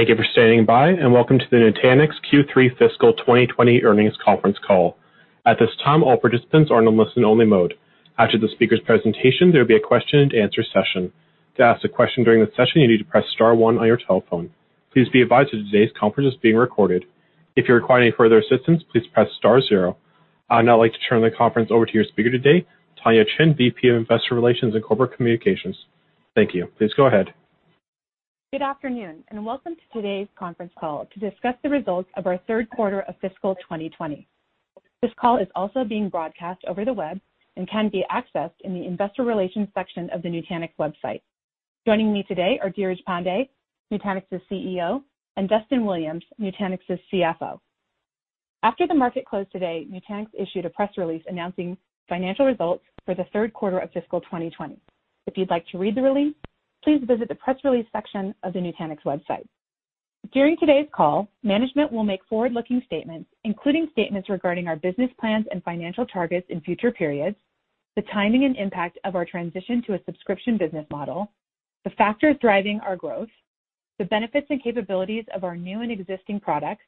Thank you for standing by, and welcome to the Nutanix Q3 Fiscal 2020 Earnings Conference Call. At this time, all participants are in a listen only mode. After the speakers' presentation, there will be a question and answer session. To ask a question during the session, you need to press star one on your telephone. Please be advised that today's conference is being recorded. If you require any further assistance, please press star zero. I'd now like to turn the conference over to your speaker today, Tonya Chin, VP of Investor Relations and Corporate Communications. Thank you. Please go ahead. Good afternoon, and welcome to today's conference call to discuss the results of our third quarter of fiscal 2020. This call is also being broadcast over the web and can be accessed in the investor relations section of the Nutanix website. Joining me today are Dheeraj Pandey, Nutanix's CEO, and Duston Williams, Nutanix's CFO. After the market closed today, Nutanix issued a press release announcing financial results for the third quarter of fiscal 2020. If you'd like to read the release, please visit the press release section of the Nutanix website. During today's call, management will make forward-looking statements, including statements regarding our business plans and financial targets in future periods, the timing and impact of our transition to a subscription business model, the factors driving our growth, the benefits and capabilities of our new and existing products,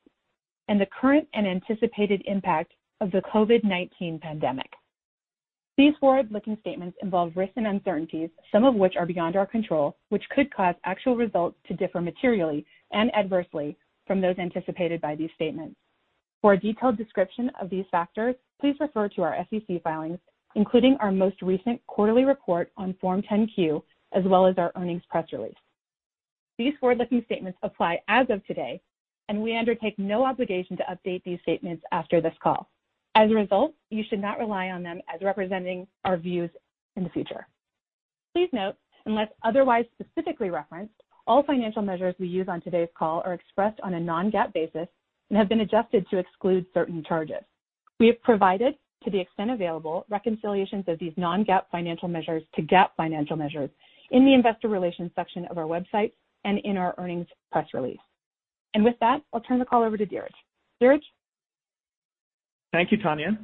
and the current and anticipated impact of the COVID-19 pandemic. These forward-looking statements involve risks and uncertainties, some of which are beyond our control, which could cause actual results to differ materially and adversely from those anticipated by these statements. For a detailed description of these factors, please refer to our SEC filings, including our most recent quarterly report on Form 10-Q, as well as our earnings press release. These forward-looking statements apply as of today, and we undertake no obligation to update these statements after this call. As a result, you should not rely on them as representing our views in the future. Please note, unless otherwise specifically referenced, all financial measures we use on today's call are expressed on a non-GAAP basis and have been adjusted to exclude certain charges. We have provided, to the extent available, reconciliations of these non-GAAP financial measures to GAAP financial measures in the investor relations section of our website and in our earnings press release. With that, I'll turn the call over to Dheeraj. Dheeraj? Thank you, Tonya,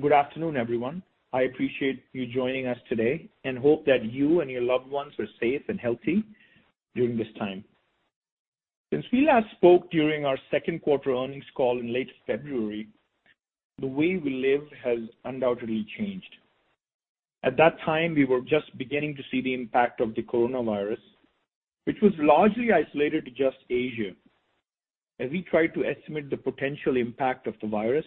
good afternoon, everyone. I appreciate you joining us today and hope that you and your loved ones are safe and healthy during this time. Since we last spoke during our second quarter earnings call in late February, the way we live has undoubtedly changed. At that time, we were just beginning to see the impact of the coronavirus, which was largely isolated to just Asia. As we tried to estimate the potential impact of the virus,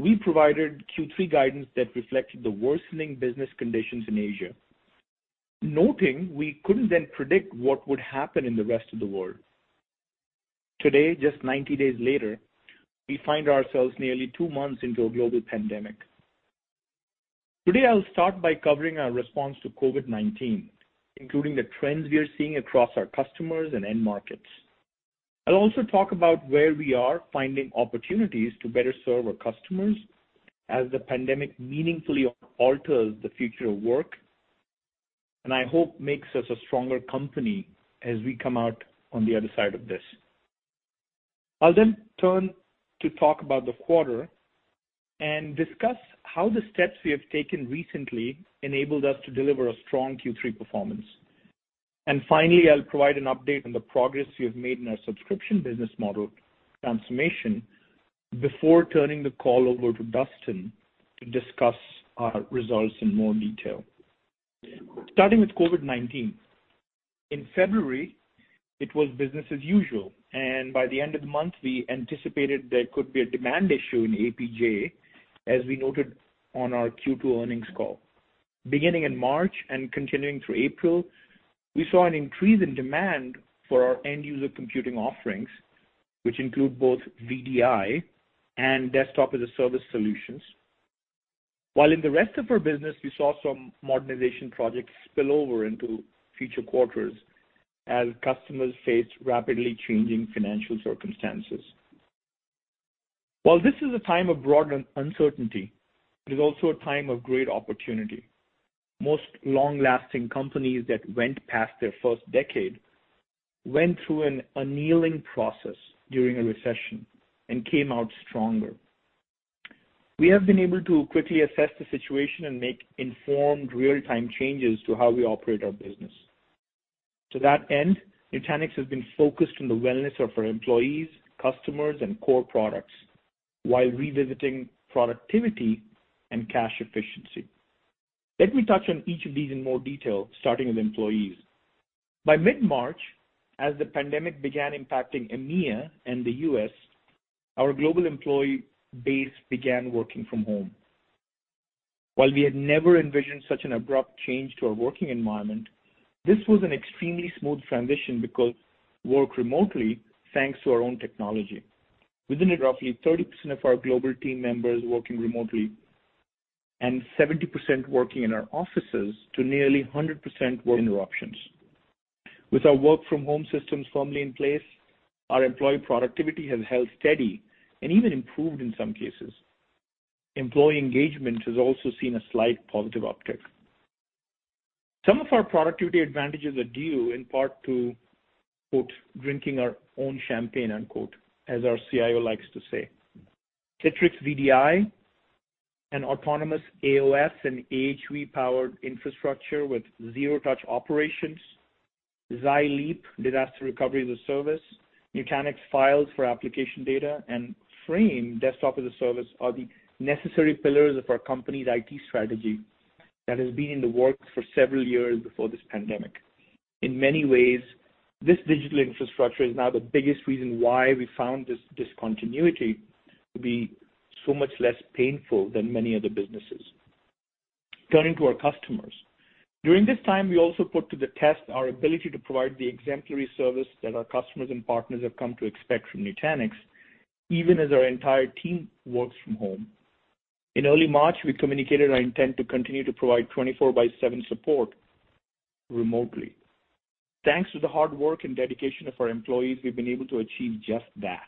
we provided Q3 guidance that reflected the worsening business conditions in Asia, noting we couldn't then predict what would happen in the rest of the world. Today, just 90 days later, we find ourselves nearly two months into a global pandemic. Today, I'll start by covering our response to COVID-19, including the trends we are seeing across our customers and end markets. I'll also talk about where we are finding opportunities to better serve our customers as the pandemic meaningfully alters the future of work, and I hope makes us a stronger company as we come out on the other side of this. I'll then turn to talk about the quarter and discuss how the steps we have taken recently enabled us to deliver a strong Q3 performance. Finally, I'll provide an update on the progress we have made in our subscription business model transformation before turning the call over to Duston to discuss our results in more detail. Starting with COVID-19. In February, it was business as usual, and by the end of the month, we anticipated there could be a demand issue in APJ, as we noted on our Q2 earnings call. Beginning in March and continuing through April, we saw an increase in demand for our end user computing offerings, which include both VDI and desktop as a service solutions. In the rest of our business, we saw some modernization projects spill over into future quarters as customers faced rapidly changing financial circumstances. This is a time of broad uncertainty, it is also a time of great opportunity. Most long-lasting companies that went past their first decade went through an annealing process during a recession and came out stronger. We have been able to quickly assess the situation and make informed real-time changes to how we operate our business. To that end, Nutanix has been focused on the wellness of our employees, customers, and core products while revisiting productivity and cash efficiency. Let me touch on each of these in more detail, starting with employees. By mid-March, as the pandemic began impacting EMEIA and the U.S., our global employee base began working from home. While we had never envisioned such an abrupt change to our working environment, this was an extremely smooth transition because we work remotely thanks to our own technology. Within it, roughly 30% of our global team members working remotely and 70% working in our offices to nearly 100% were in operation. With our work from home systems firmly in place, our employee productivity has held steady and even improved in some cases. Employee engagement has also seen a slight positive uptick. Some of our productivity advantages are due in part to, "Drinking our own champagne" as our CIO likes to say. Citrix VDI. An autonomous AOS and AHV-powered infrastructure with zero-touch operations, Xi Leap disaster recovery as a service, Nutanix Files for application data, and Frame desktop as a service are the necessary pillars of our company's IT strategy that has been in the works for several years before this pandemic. In many ways, this digital infrastructure is now the biggest reason why we found this discontinuity to be so much less painful than many other businesses. Turning to our customers. During this time, we also put to the test our ability to provide the exemplary service that our customers and partners have come to expect from Nutanix, even as our entire team works from home. In early March, we communicated our intent to continue to provide 24 by seven support remotely. Thanks to the hard work and dedication of our employees, we've been able to achieve just that.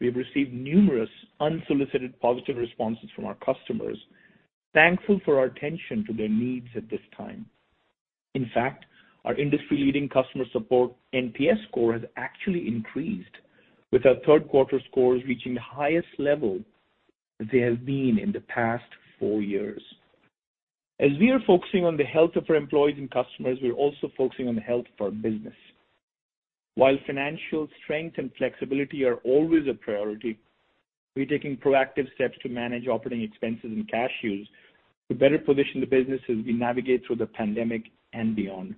We have received numerous unsolicited positive responses from our customers, thankful for our attention to their needs at this time. In fact, our industry-leading customer support NPS score has actually increased, with our third-quarter scores reaching the highest level they have been in the past 4 years. As we are focusing on the health of our employees and customers, we're also focusing on the health of our business. While financial strength and flexibility are always a priority, we're taking proactive steps to manage operating expenses and cash use to better position the business as we navigate through the pandemic and beyond.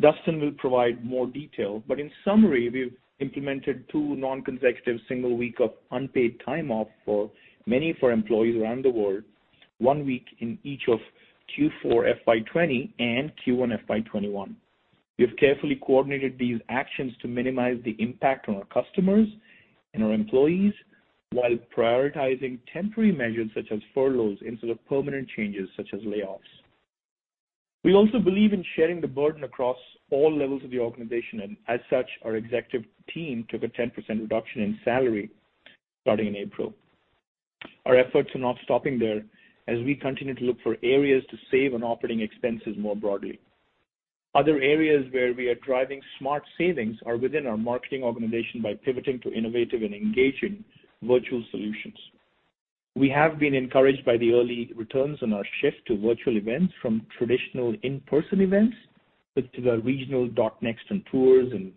Duston will provide more detail, but in summary, we've implemented 2 non-consecutive single week of unpaid time off for many of our employees around the world, one week in each of Q4 FY 2020 and Q1 FY 2021. We have carefully coordinated these actions to minimize the impact on our customers and our employees while prioritizing temporary measures such as furloughs instead of permanent changes such as layoffs. We also believe in sharing the burden across all levels of the organization, and as such, our executive team took a 10% reduction in salary starting in April. Our efforts are not stopping there as we continue to look for areas to save on operating expenses more broadly. Other areas where we are driving smart savings are within our marketing organization by pivoting to innovative and engaging virtual solutions. We have been encouraged by the early returns on our shift to virtual events from traditional in-person events such as our regional .NEXT and tours and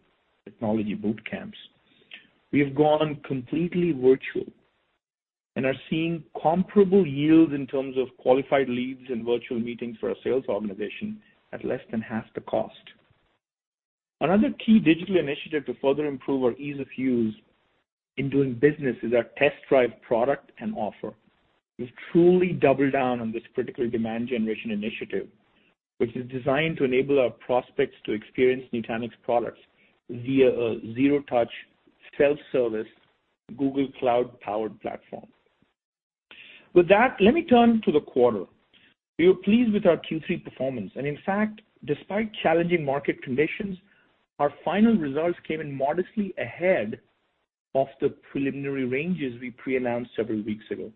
technology boot camps. We have gone completely virtual and are seeing comparable yields in terms of qualified leads and virtual meetings for our sales organization at less than half the cost. Another key digital initiative to further improve our ease of use in doing business is our test-drive product and offer. We've truly doubled down on this particular demand generation initiative, which is designed to enable our prospects to experience Nutanix products via a zero-touch, self-service, Google Cloud-powered platform. With that, let me turn to the quarter. We were pleased with our Q3 performance. In fact, despite challenging market conditions, our final results came in modestly ahead of the preliminary ranges we pre-announced several weeks ago.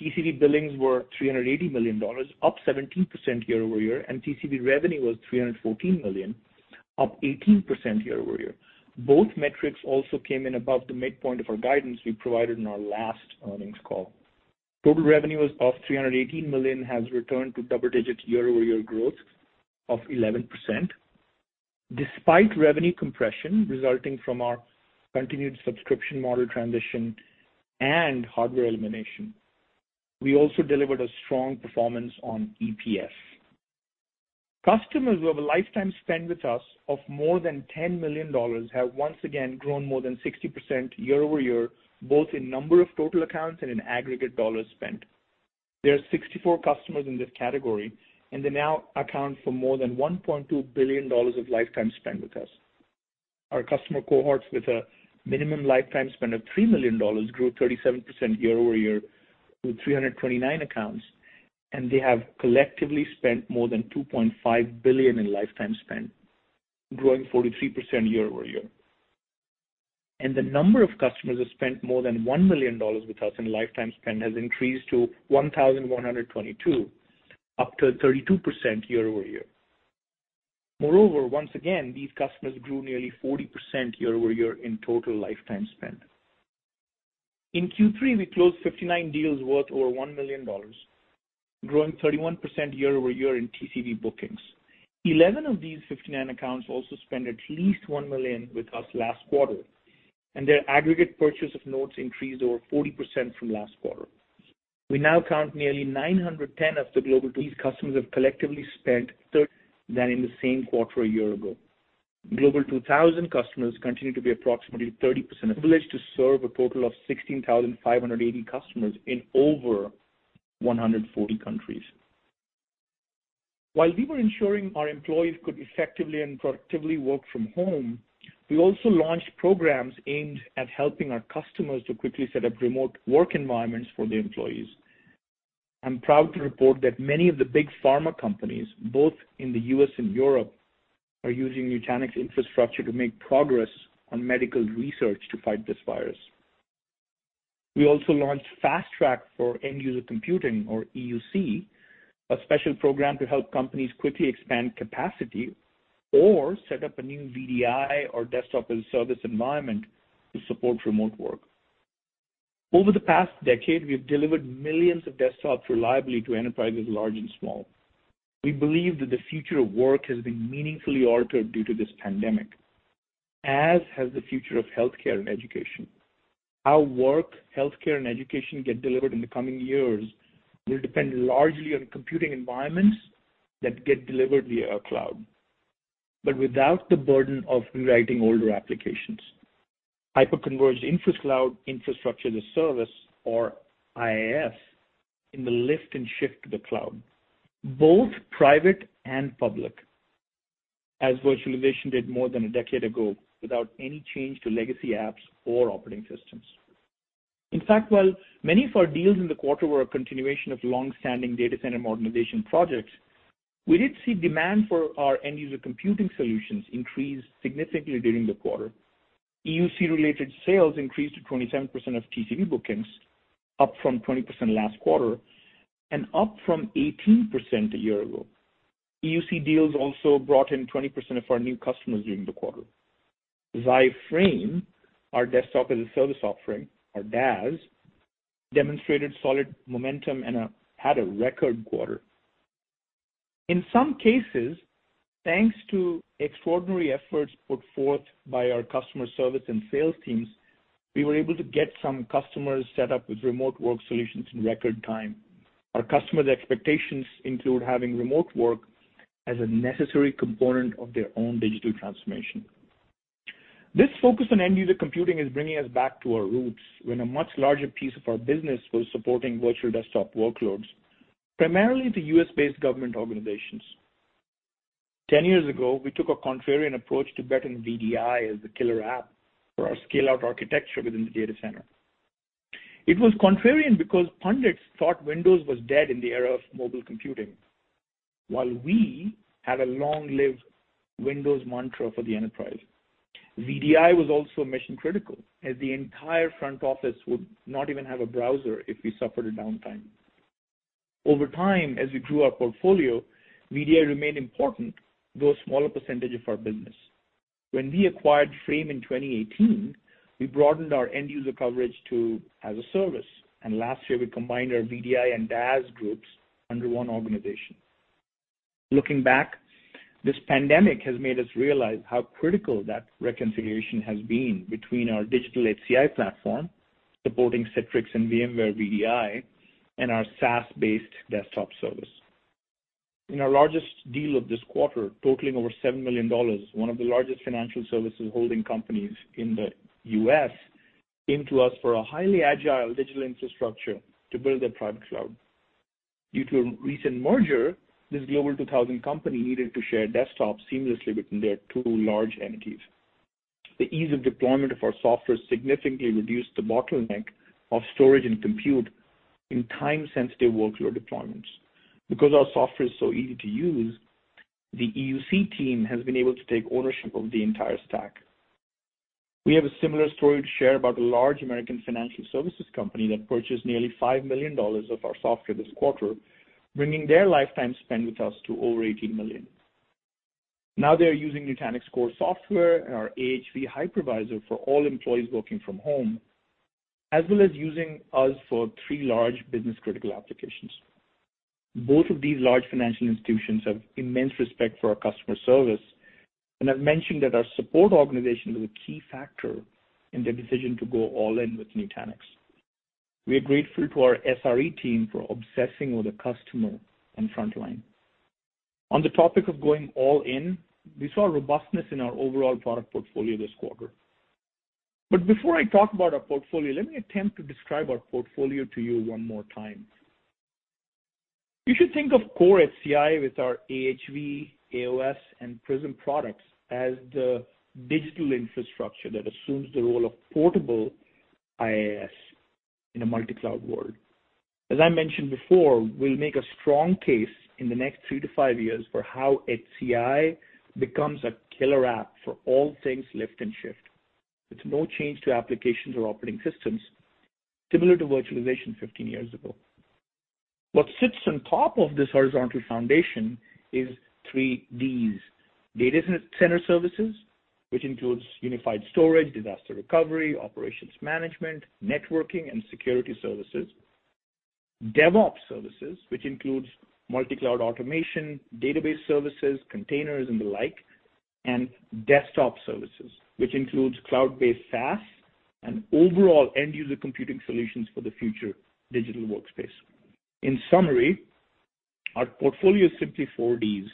TCV billings were $380 million, up 17% year-over-year, and TCV revenue was $314 million, up 18% year-over-year. Both metrics also came in above the midpoint of our guidance we provided in our last earnings call. Total revenue was up $318 million, has returned to double-digit year-over-year growth of 11%. Despite revenue compression resulting from our continued subscription model transition and hardware elimination, we also delivered a strong performance on EPS. Customers who have a lifetime spend with us of more than $10 million have once again grown more than 60% year-over-year, both in number of total accounts and in aggregate dollars spent. There are 64 customers in this category, and they now account for more than $1.2 billion of lifetime spend with us. Our customer cohorts with a minimum lifetime spend of $3 million grew 37% year-over-year with 329 accounts, and they have collectively spent more than $2.5 billion in lifetime spend, growing 43% year-over-year. The number of customers that spent more than $1 million with us in lifetime spend has increased to 1,122, up to 32% year-over-year. Moreover, once again, these customers grew nearly 40% year-over-year in total lifetime spend. In Q3, we closed 59 deals worth over $1 million, growing 31% year-over-year in TCV bookings. 11 of these 59 accounts also spent at least $1 million with us last quarter, and their aggregate purchase of nodes increased over 40% from last quarter. We now count nearly 910 of the Global 2000 customers have collectively spent than in the same quarter a year ago. Global 2000 customers continue to be approximately 30% privileged to serve a total of 16,580 customers in over 140 countries. While we were ensuring our employees could effectively and productively work from home, we also launched programs aimed at helping our customers to quickly set up remote work environments for the employees. I'm proud to report that many of the big pharma companies, both in the U.S. and Europe, are using Nutanix infrastructure to make progress on medical research to fight this virus. We also launched Fast Track for End User Computing, or EUC, a special program to help companies quickly expand capacity or set up a new VDI or desktop as a service environment to support remote work. Over the past decade, we've delivered millions of desktops reliably to enterprises large and small. We believe that the future of work has been meaningfully altered due to this pandemic, as has the future of healthcare and education. How work, healthcare, and education get delivered in the coming years will depend largely on computing environments that get delivered via a cloud, but without the burden of rewriting older applications. Hyper-converged infra cloud, Infrastructure as a Service, or IaaS, in the lift and shift to the cloud, both private and public, as virtualization did more than a decade ago without any change to legacy apps or operating systems. In fact, while many of our deals in the quarter were a continuation of longstanding data center modernization projects, we did see demand for our end user computing solutions increase significantly during the quarter. EUC related sales increased to 27% of TCV bookings, up from 20% last quarter, and up from 18% a year ago. EUC deals also brought in 20% of our new customers during the quarter. Xi Frame, our desktop as a service offering, or DaaS, demonstrated solid momentum and had a record quarter. In some cases, thanks to extraordinary efforts put forth by our customer service and sales teams, we were able to get some customers set up with remote work solutions in record time. Our customers' expectations include having remote work as a necessary component of their own digital transformation. This focus on end user computing is bringing us back to our roots, when a much larger piece of our business was supporting virtual desktop workloads, primarily to U.S.-based government organizations. Ten years ago, we took a contrarian approach to betting VDI as the killer app for our scale-out architecture within the data center. It was contrarian because pundits thought Windows was dead in the era of mobile computing, while we had a long-lived Windows mantra for the enterprise. VDI was also mission-critical, as the entire front office would not even have a browser if we suffered a downtime. Over time, as we grew our portfolio, VDI remained important, though a smaller percentage of our business. When we acquired Frame in 2018, we broadened our end user coverage to as-a-service, and last year we combined our VDI and DaaS groups under one organization. Looking back, this pandemic has made us realize how critical that reconfiguration has been between our digital HCI platform, supporting Citrix and VMware VDI, and our SaaS-based desktop service. In our largest deal of this quarter, totaling over $7 million, one of the largest financial services holding companies in the U.S. came to us for a highly agile digital infrastructure to build their private cloud. Due to a recent merger, this Global 2000 company needed to share desktops seamlessly between their two large entities. The ease of deployment of our software significantly reduced the bottleneck of storage and compute in time-sensitive workload deployments. Because our software is so easy to use, the EUC team has been able to take ownership of the entire stack. We have a similar story to share about a large American financial services company that purchased nearly $5 million of our software this quarter, bringing their lifetime spend with us to over $18 million. Now they're using Nutanix Core Software and our AHV Hypervisor for all employees working from home, as well as using us for three large business-critical applications. Both of these large financial institutions have immense respect for our customer service and have mentioned that our support organization was a key factor in their decision to go all in with Nutanix. We are grateful to our SRE team for obsessing over the customer and frontline. On the topic of going all in, we saw robustness in our overall product portfolio this quarter. Before I talk about our portfolio, let me attempt to describe our portfolio to you one more time. You should think of Core HCI with our AHV, AOS, and Prism products as the digital infrastructure that assumes the role of portable IaaS in a multi-cloud world. As I mentioned before, we'll make a strong case in the next three to five years for how HCI becomes a killer app for all things lift and shift. It's no change to applications or operating systems, similar to virtualization 15 years ago. What sits on top of this horizontal foundation is 3 Ds. Data center services, which includes unified storage, disaster recovery, operations management, networking, and security services. DevOps services, which includes multi-cloud automation, database services, containers, and the like, and desktop services, which includes cloud-based SaaS and overall end-user computing solutions for the future digital workspace. In summary, our portfolio is simply four Ds,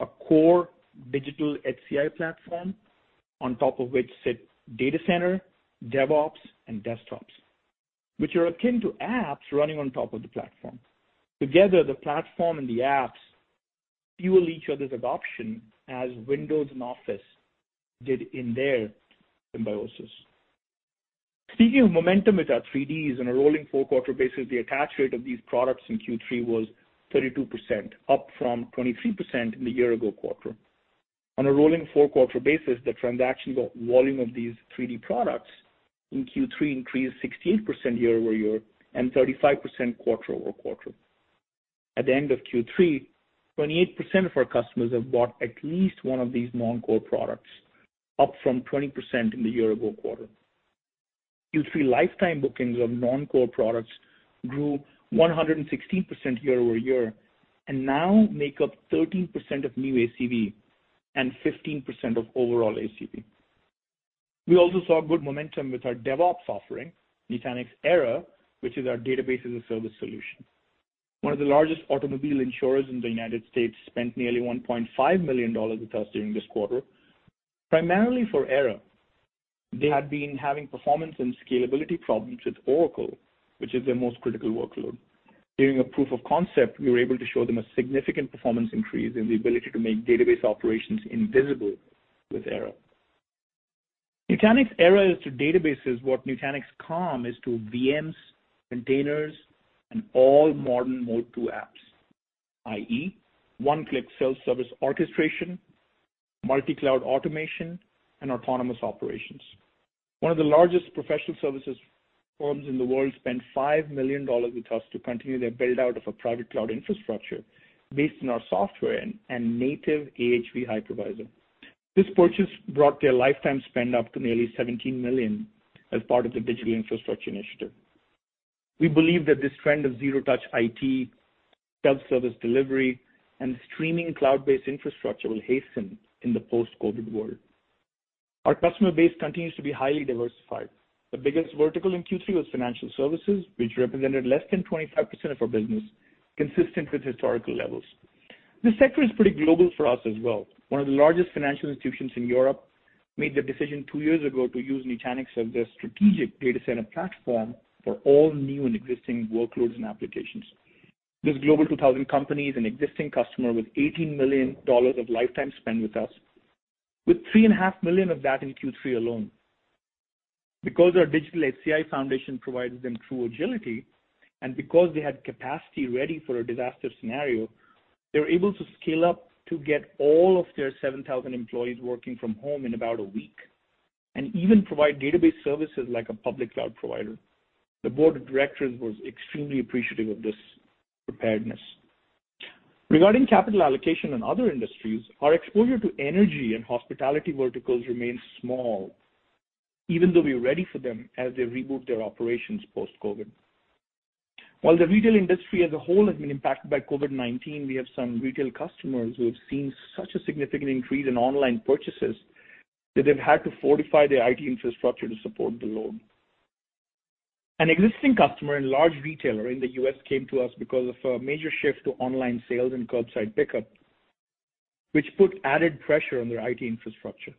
a core digital HCI platform on top of which sit data center, DevOps, and desktops, which are akin to apps running on top of the platform. Together, the platform and the apps fuel each other's adoption as Windows and Office did in their symbiosis. Speaking of momentum with our 3Ds, on a rolling four-quarter basis, the attach rate of these products in Q3 was 32%, up from 23% in the year-ago quarter. On a rolling four-quarter basis, the transactional volume of these 3D products in Q3 increased 16% year-over-year and 35% quarter-over-quarter. At the end of Q3, 28% of our customers have bought at least one of these non-core products, up from 20% in the year-ago quarter. Q3 lifetime bookings of non-core products grew 116% year-over-year and now make up 13% of new ACV and 15% of overall ACV. We also saw good momentum with our DevOps offering, Nutanix Era, which is our Database as a Service solution. One of the largest automobile insurers in the United States spent nearly $1.5 million with us during this quarter, primarily for Era. They had been having performance and scalability problems with Oracle, which is their most critical workload. During a proof of concept, we were able to show them a significant performance increase and the ability to make database operations invisible with Era. Nutanix Era is to databases what Nutanix Calm is to VMs, containers, and all modern mode 2 apps, i.e., one click self-service orchestration, multi-cloud automation, and autonomous operations. One of the largest professional services firms in the world spent $5 million with us to continue their build-out of a private cloud infrastructure based on our software and native AHV hypervisor. This purchase brought their lifetime spend up to nearly $17 million as part of their digital infrastructure initiative. We believe that this trend of zero-touch IT, self-service delivery, and streaming cloud-based infrastructure will hasten in the post-COVID world. Our customer base continues to be highly diversified. The biggest vertical in Q3 was financial services, which represented less than 25% of our business, consistent with historical levels. This sector is pretty global for us as well. One of the largest financial institutions in Europe made the decision two years ago to use Nutanix as their strategic data center platform for all new and existing workloads and applications. This Global 2000 company is an existing customer with $18 million of lifetime spend with us, with $3.5 million of that in Q3 alone. Because our digital HCI foundation provided them true agility, and because they had capacity ready for a disaster scenario, they were able to scale up to get all of their 7,000 employees working from home in about a week, and even provide database services like a public cloud provider. The board of directors was extremely appreciative of this preparedness. Regarding capital allocation in other industries, our exposure to energy and hospitality verticals remains small, even though we are ready for them as they reboot their operations post-COVID-19. While the retail industry as a whole has been impacted by COVID-19, we have some retail customers who have seen such a significant increase in online purchases that they've had to fortify their IT infrastructure to support the load. An existing customer and large retailer in the U.S. came to us because of a major shift to online sales and curbside pickup, which put added pressure on their IT infrastructure.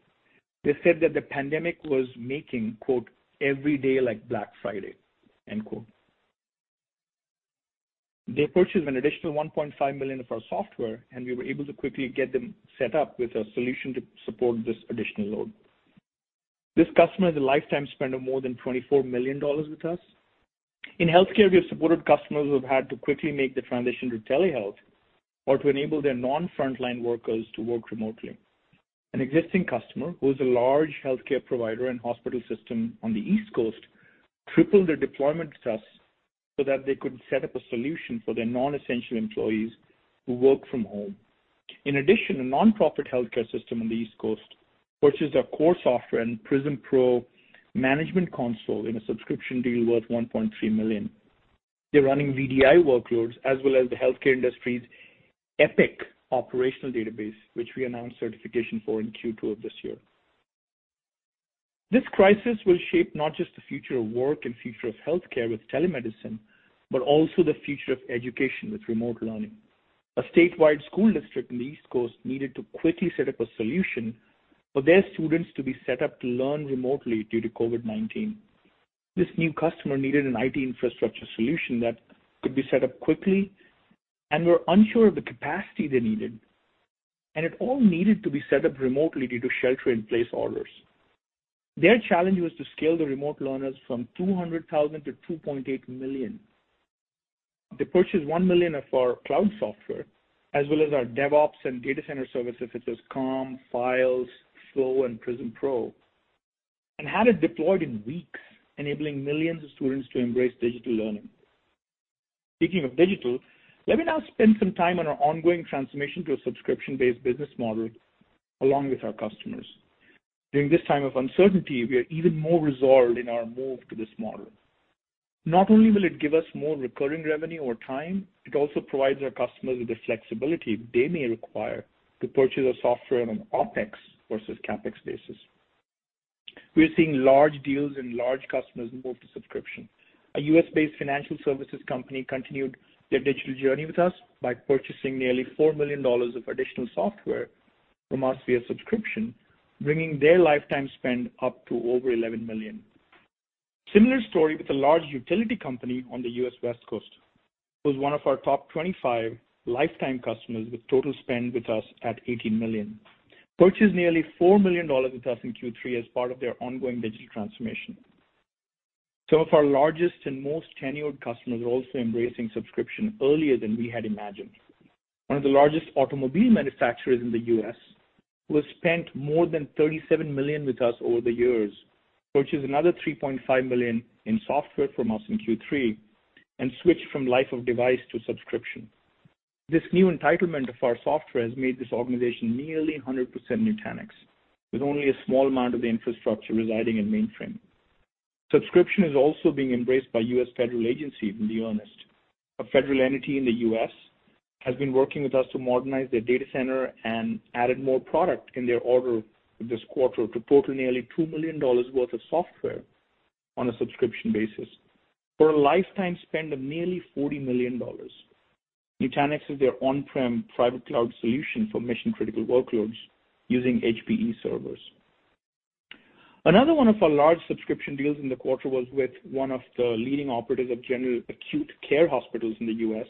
They said that the pandemic was making, quote, "every day like Black Friday," end quote. They purchased an additional $1.5 million of our software. We were able to quickly get them set up with a solution to support this additional load. This customer has a lifetime spend of more than $24 million with us. In healthcare, we have supported customers who have had to quickly make the transition to telehealth or to enable their non-frontline workers to work remotely. An existing customer, who is a large healthcare provider and hospital system on the East Coast, tripled their deployment with us so that they could set up a solution for their non-essential employees who work from home. A non-profit healthcare system on the East Coast purchased our core software and Prism Pro management console in a subscription deal worth $1.3 million. They're running VDI workloads as well as the healthcare industry's Epic operational database, which we announced certification for in Q2 of this year. This crisis will shape not just the future of work and future of healthcare with telemedicine, but also the future of education with remote learning. A statewide school district on the East Coast needed to quickly set up a solution for their students to be set up to learn remotely due to COVID-19. This new customer needed an IT infrastructure solution that could be set up quickly and were unsure of the capacity they needed, and it all needed to be set up remotely due to shelter in place orders. Their challenge was to scale the remote learners from 200,000 to 2.8 million. They purchased $1 million of our cloud software as well as our DevOps and data center services such as Calm, Files, Flow, and Prism Pro, and had it deployed in weeks, enabling millions of students to embrace digital learning. Speaking of digital, let me now spend some time on our ongoing transformation to a subscription-based business model along with our customers. During this time of uncertainty, we are even more resolved in our move to this model. Not only will it give us more recurring revenue over time, it also provides our customers with the flexibility they may require to purchase our software on an OpEx versus CapEx basis. We are seeing large deals and large customers move to subscription. A U.S.-based financial services company continued their digital journey with us by purchasing nearly $4 million of additional software from us via subscription, bringing their lifetime spend up to over $11 million. Similar story with a large utility company on the U.S. West Coast, who is one of our top 25 lifetime customers with total spend with us at $18 million. Purchased nearly $4 million with us in Q3 as part of their ongoing digital transformation. Some of our largest and most tenured customers are also embracing subscription earlier than we had imagined. One of the largest automobile manufacturers in the U.S., who has spent more than $37 million with us over the years, purchased another $3.5 million in software from us in Q3 and switched from Life of Device to subscription. This new entitlement of our software has made this organization nearly 100% Nutanix, with only a small amount of the infrastructure residing in mainframe. Subscription is also being embraced by U.S. federal agencies, to be honest. A federal entity in the U.S. has been working with us to modernize their data center and added more product in their order this quarter to total nearly $2 million worth of software on a subscription basis for a lifetime spend of nearly $40 million. Nutanix is their on-prem private cloud solution for mission-critical workloads using HPE servers. Another one of our large subscription deals in the quarter was with one of the leading operatives of general acute care hospitals in the U.S.,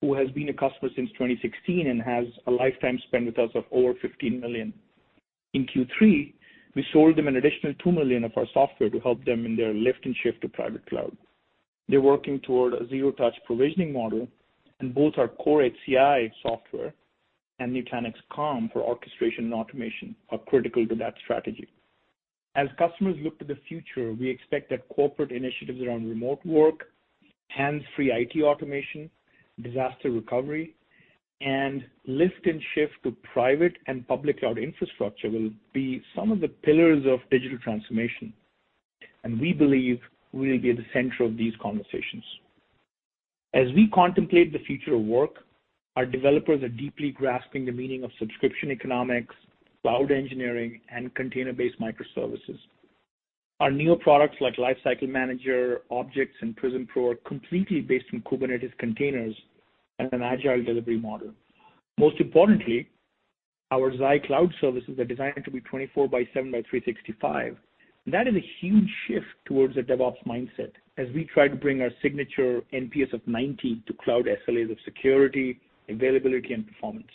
who has been a customer since 2016 and has a lifetime spend with us of over $15 million. In Q3, we sold them an additional $2 million of our software to help them in their lift and shift to private cloud. They're working toward a zero-touch provisioning model, and both our Core HCI software and Nutanix Calm for orchestration and automation are critical to that strategy. As customers look to the future, we expect that corporate initiatives around remote work, hands-free IT automation, disaster recovery, and lift and shift to private and public cloud infrastructure will be some of the pillars of digital transformation, and we believe we'll be at the center of these conversations. As we contemplate the future of work, our developers are deeply grasping the meaning of subscription economics, cloud engineering, and container-based microservices. Our new products like Lifecycle Manager, Objects, and Prism Pro are completely based on Kubernetes containers and an agile delivery model. Most importantly, our Xi Cloud services are designed to be 24 by 7 by 365. That is a huge shift towards a DevOps mindset as we try to bring our signature NPS of 90 to cloud SLAs of security, availability, and performance.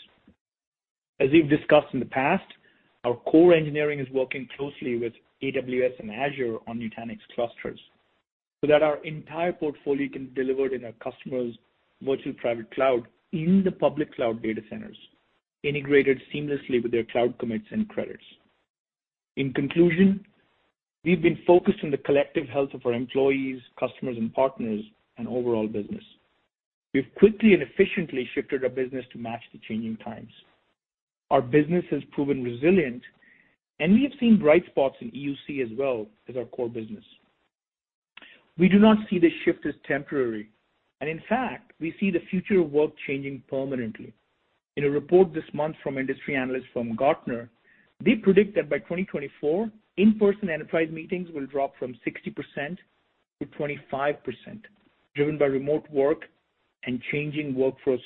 As we've discussed in the past, our core engineering is working closely with AWS and Azure on Nutanix clusters so that our entire portfolio can be delivered in our customers' virtual private cloud in the public cloud data centers, integrated seamlessly with their cloud commits and credits. In conclusion, we've been focused on the collective health of our employees, customers, and partners, and overall business. We've quickly and efficiently shifted our business to match the changing times. Our business has proven resilient. We have seen bright spots in EUC as well as our core business. We do not see this shift as temporary. In fact, we see the future of work changing permanently. In a report this month from industry analysts from Gartner, they predict that by 2024, in-person enterprise meetings will drop from 60% to 25%, driven by remote work and changing workforce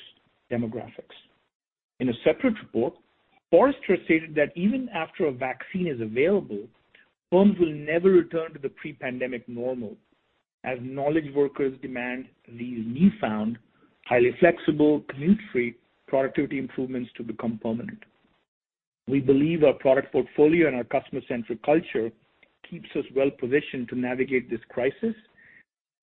demographics. In a separate report, Forrester stated that even after a vaccine is available, firms will never return to the pre-pandemic normal as knowledge workers demand these newfound, highly flexible, commute-free productivity improvements to become permanent. We believe our product portfolio and our customer-centric culture keeps us well-positioned to navigate this crisis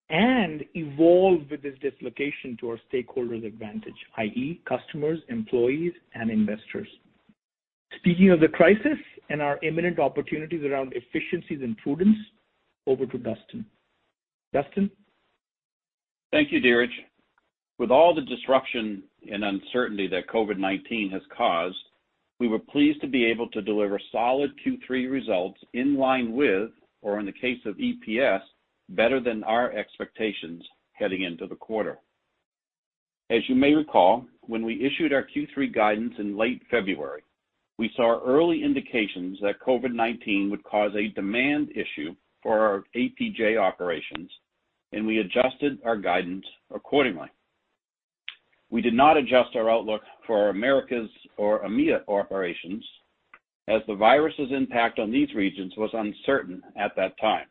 and evolve with this dislocation to our stakeholders' advantage, i.e., customers, employees, and investors. Speaking of the crisis and our imminent opportunities around efficiencies and prudence, over to Duston. Duston? Thank you, Dheeraj. With all the disruption and uncertainty that COVID-19 has caused, we were pleased to be able to deliver solid Q3 results in line with, or in the case of EPS, better than our expectations heading into the quarter. As you may recall, when we issued our Q3 guidance in late February, we saw early indications that COVID-19 would cause a demand issue for our APJ operations, we adjusted our guidance accordingly. We did not adjust our outlook for our Americas or EMEIA operations, the virus's impact on these regions was uncertain at that time.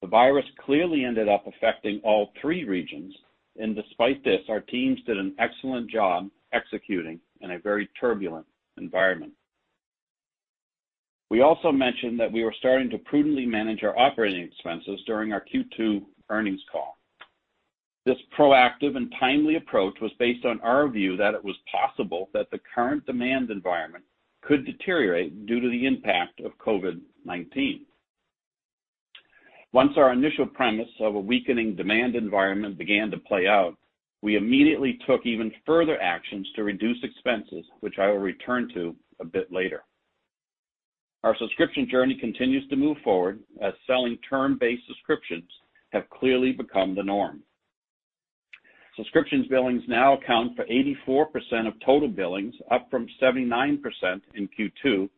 The virus clearly ended up affecting all 3 regions, despite this, our teams did an excellent job executing in a very turbulent environment. We also mentioned that we were starting to prudently manage our operating expenses during our Q2 earnings call. This proactive and timely approach was based on our view that it was possible that the current demand environment could deteriorate due to the impact of COVID-19. Once our initial premise of a weakening demand environment began to play out, we immediately took even further actions to reduce expenses, which I will return to a bit later. Our subscription journey continues to move forward as selling term-based subscriptions have clearly become the norm. Subscription billings now account for 84% of total billings, up from 79% in Q2,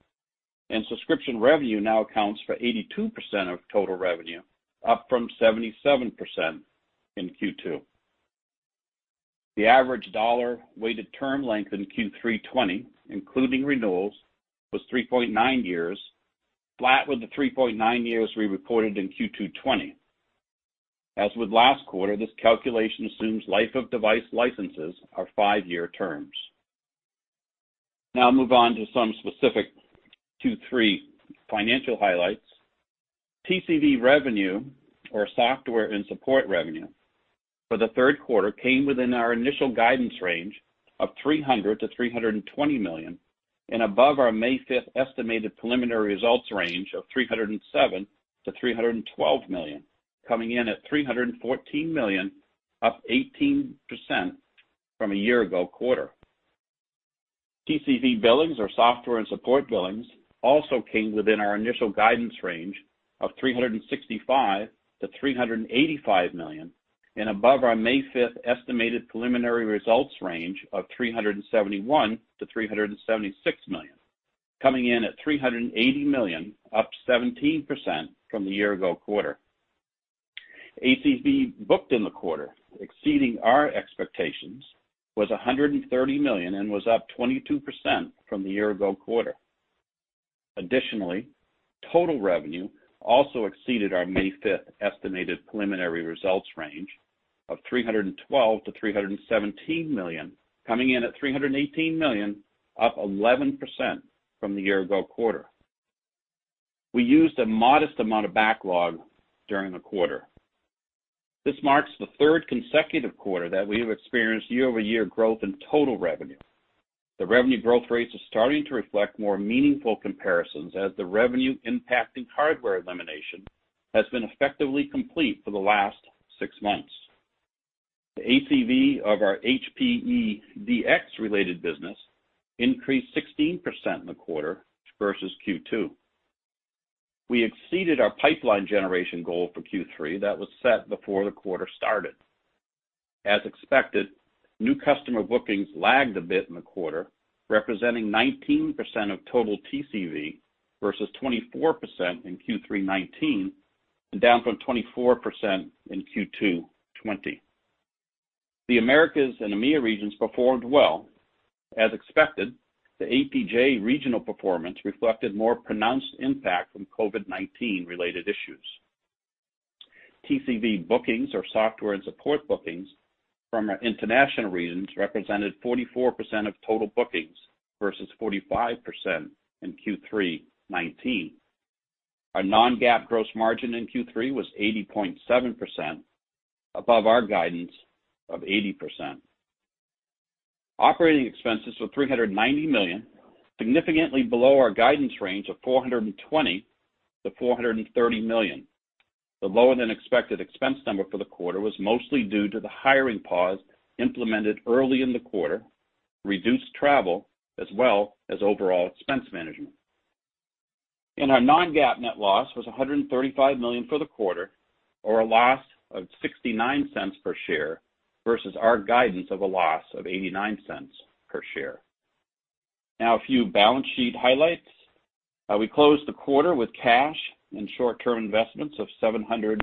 and subscription revenue now accounts for 82% of total revenue, up from 77% in Q2. The average dollar weighted term length in Q3 2020, including renewals, was 3.9 years, flat with the 3.9 years we reported in Q2 2020. As with last quarter, this calculation assumes Life of Device licenses are five-year terms. Now I'll move on to some specific Q3 financial highlights. TCV revenue, or software and support revenue, for the third quarter came within our initial guidance range of $300 million-$320 million, and above our May 5th estimated preliminary results range of $307 million-$312 million, coming in at $314 million, up 18% from a year-ago quarter. TCV billings, or software and support billings, also came within our initial guidance range of $365 million-$385 million, and above our May 5th estimated preliminary results range of $371 million-$376 million, coming in at $380 million, up 17% from the year-ago quarter. ACV booked in the quarter, exceeding our expectations, was $130 million and was up 22% from the year-ago quarter. Additionally, total revenue also exceeded our May 5th estimated preliminary results range of $312 million-$317 million, coming in at $318 million, up 11% from the year-ago quarter. We used a modest amount of backlog during the quarter. This marks the third consecutive quarter that we have experienced year-over-year growth in total revenue. The revenue growth rates are starting to reflect more meaningful comparisons as the revenue-impacting hardware elimination has been effectively complete for the last six months. The ACV of our HPE DX related business increased 16% in the quarter versus Q2. We exceeded our pipeline generation goal for Q3 that was set before the quarter started. As expected, new customer bookings lagged a bit in the quarter, representing 19% of total TCV versus 24% in Q3 2019, and down from 24% in Q2 2020. The Americas and EMEA regions performed well. As expected, the APJ regional performance reflected more pronounced impact from COVID-19 related issues. TCV bookings, or software and support bookings, from our international regions represented 44% of total bookings versus 45% in Q3 2019. Our non-GAAP gross margin in Q3 was 80.7%, above our guidance of 80%. Operating expenses were $390 million, significantly below our guidance range of $420 million-$430 million. The lower than expected expense number for the quarter was mostly due to the hiring pause implemented early in the quarter, reduced travel, as well as overall expense management. Our non-GAAP net loss was $135 million for the quarter, or a loss of $0.69 per share versus our guidance of a loss of $0.89 per share. Now, a few balance sheet highlights. We closed the quarter with cash and short-term investments of $732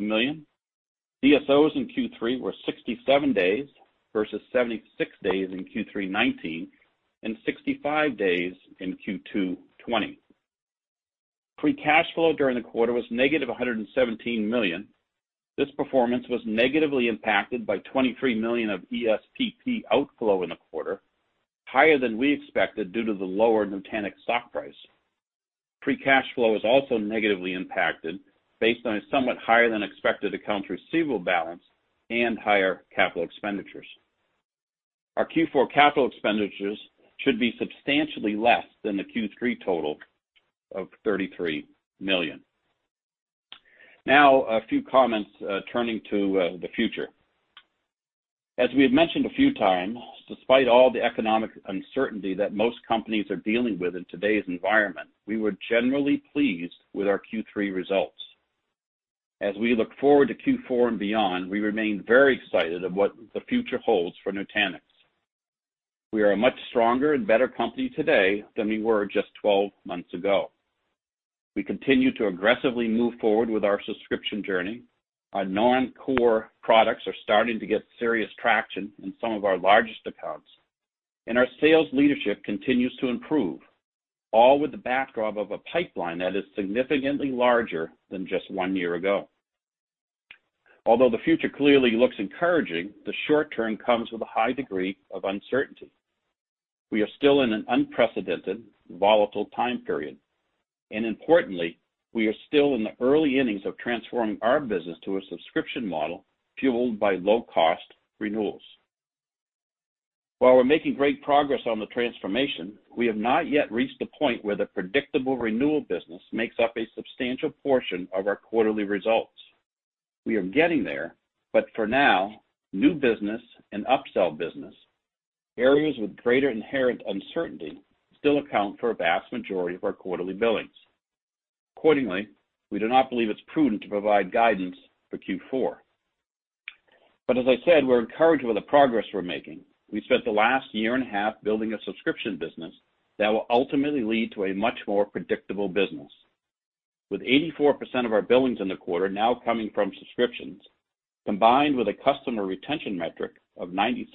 million. DSOs in Q3 were 67 days versus 76 days in Q3 2019, and 65 days in Q2 2020. Free cash flow during the quarter was negative $117 million. This performance was negatively impacted by $23 million of ESPP outflow in the quarter, higher than we expected due to the lower Nutanix stock price. Free cash flow was also negatively impacted based on a somewhat higher than expected accounts receivable balance and higher capital expenditures. Our Q4 capital expenditures should be substantially less than the Q3 total of $33 million. Now, a few comments turning to the future. As we have mentioned a few times, despite all the economic uncertainty that most companies are dealing with in today's environment, we were generally pleased with our Q3 results. As we look forward to Q4 and beyond, we remain very excited of what the future holds for Nutanix. We are a much stronger and better company today than we were just 12 months ago. We continue to aggressively move forward with our subscription journey. Our non-core products are starting to get serious traction in some of our largest accounts. Our sales leadership continues to improve, all with the backdrop of a pipeline that is significantly larger than just one year ago. Although the future clearly looks encouraging, the short term comes with a high degree of uncertainty. We are still in an unprecedented, volatile time period. Importantly, we are still in the early innings of transforming our business to a subscription model fueled by low-cost renewals. While we're making great progress on the transformation, we have not yet reached the point where the predictable renewal business makes up a substantial portion of our quarterly results. We are getting there, but for now, new business and upsell business, areas with greater inherent uncertainty, still account for a vast majority of our quarterly billings. Accordingly, we do not believe it's prudent to provide guidance for Q4. As I said, we're encouraged with the progress we're making. We've spent the last year and a half building a subscription business that will ultimately lead to a much more predictable business. With 84% of our billings in the quarter now coming from subscriptions, combined with a customer retention metric of 97%,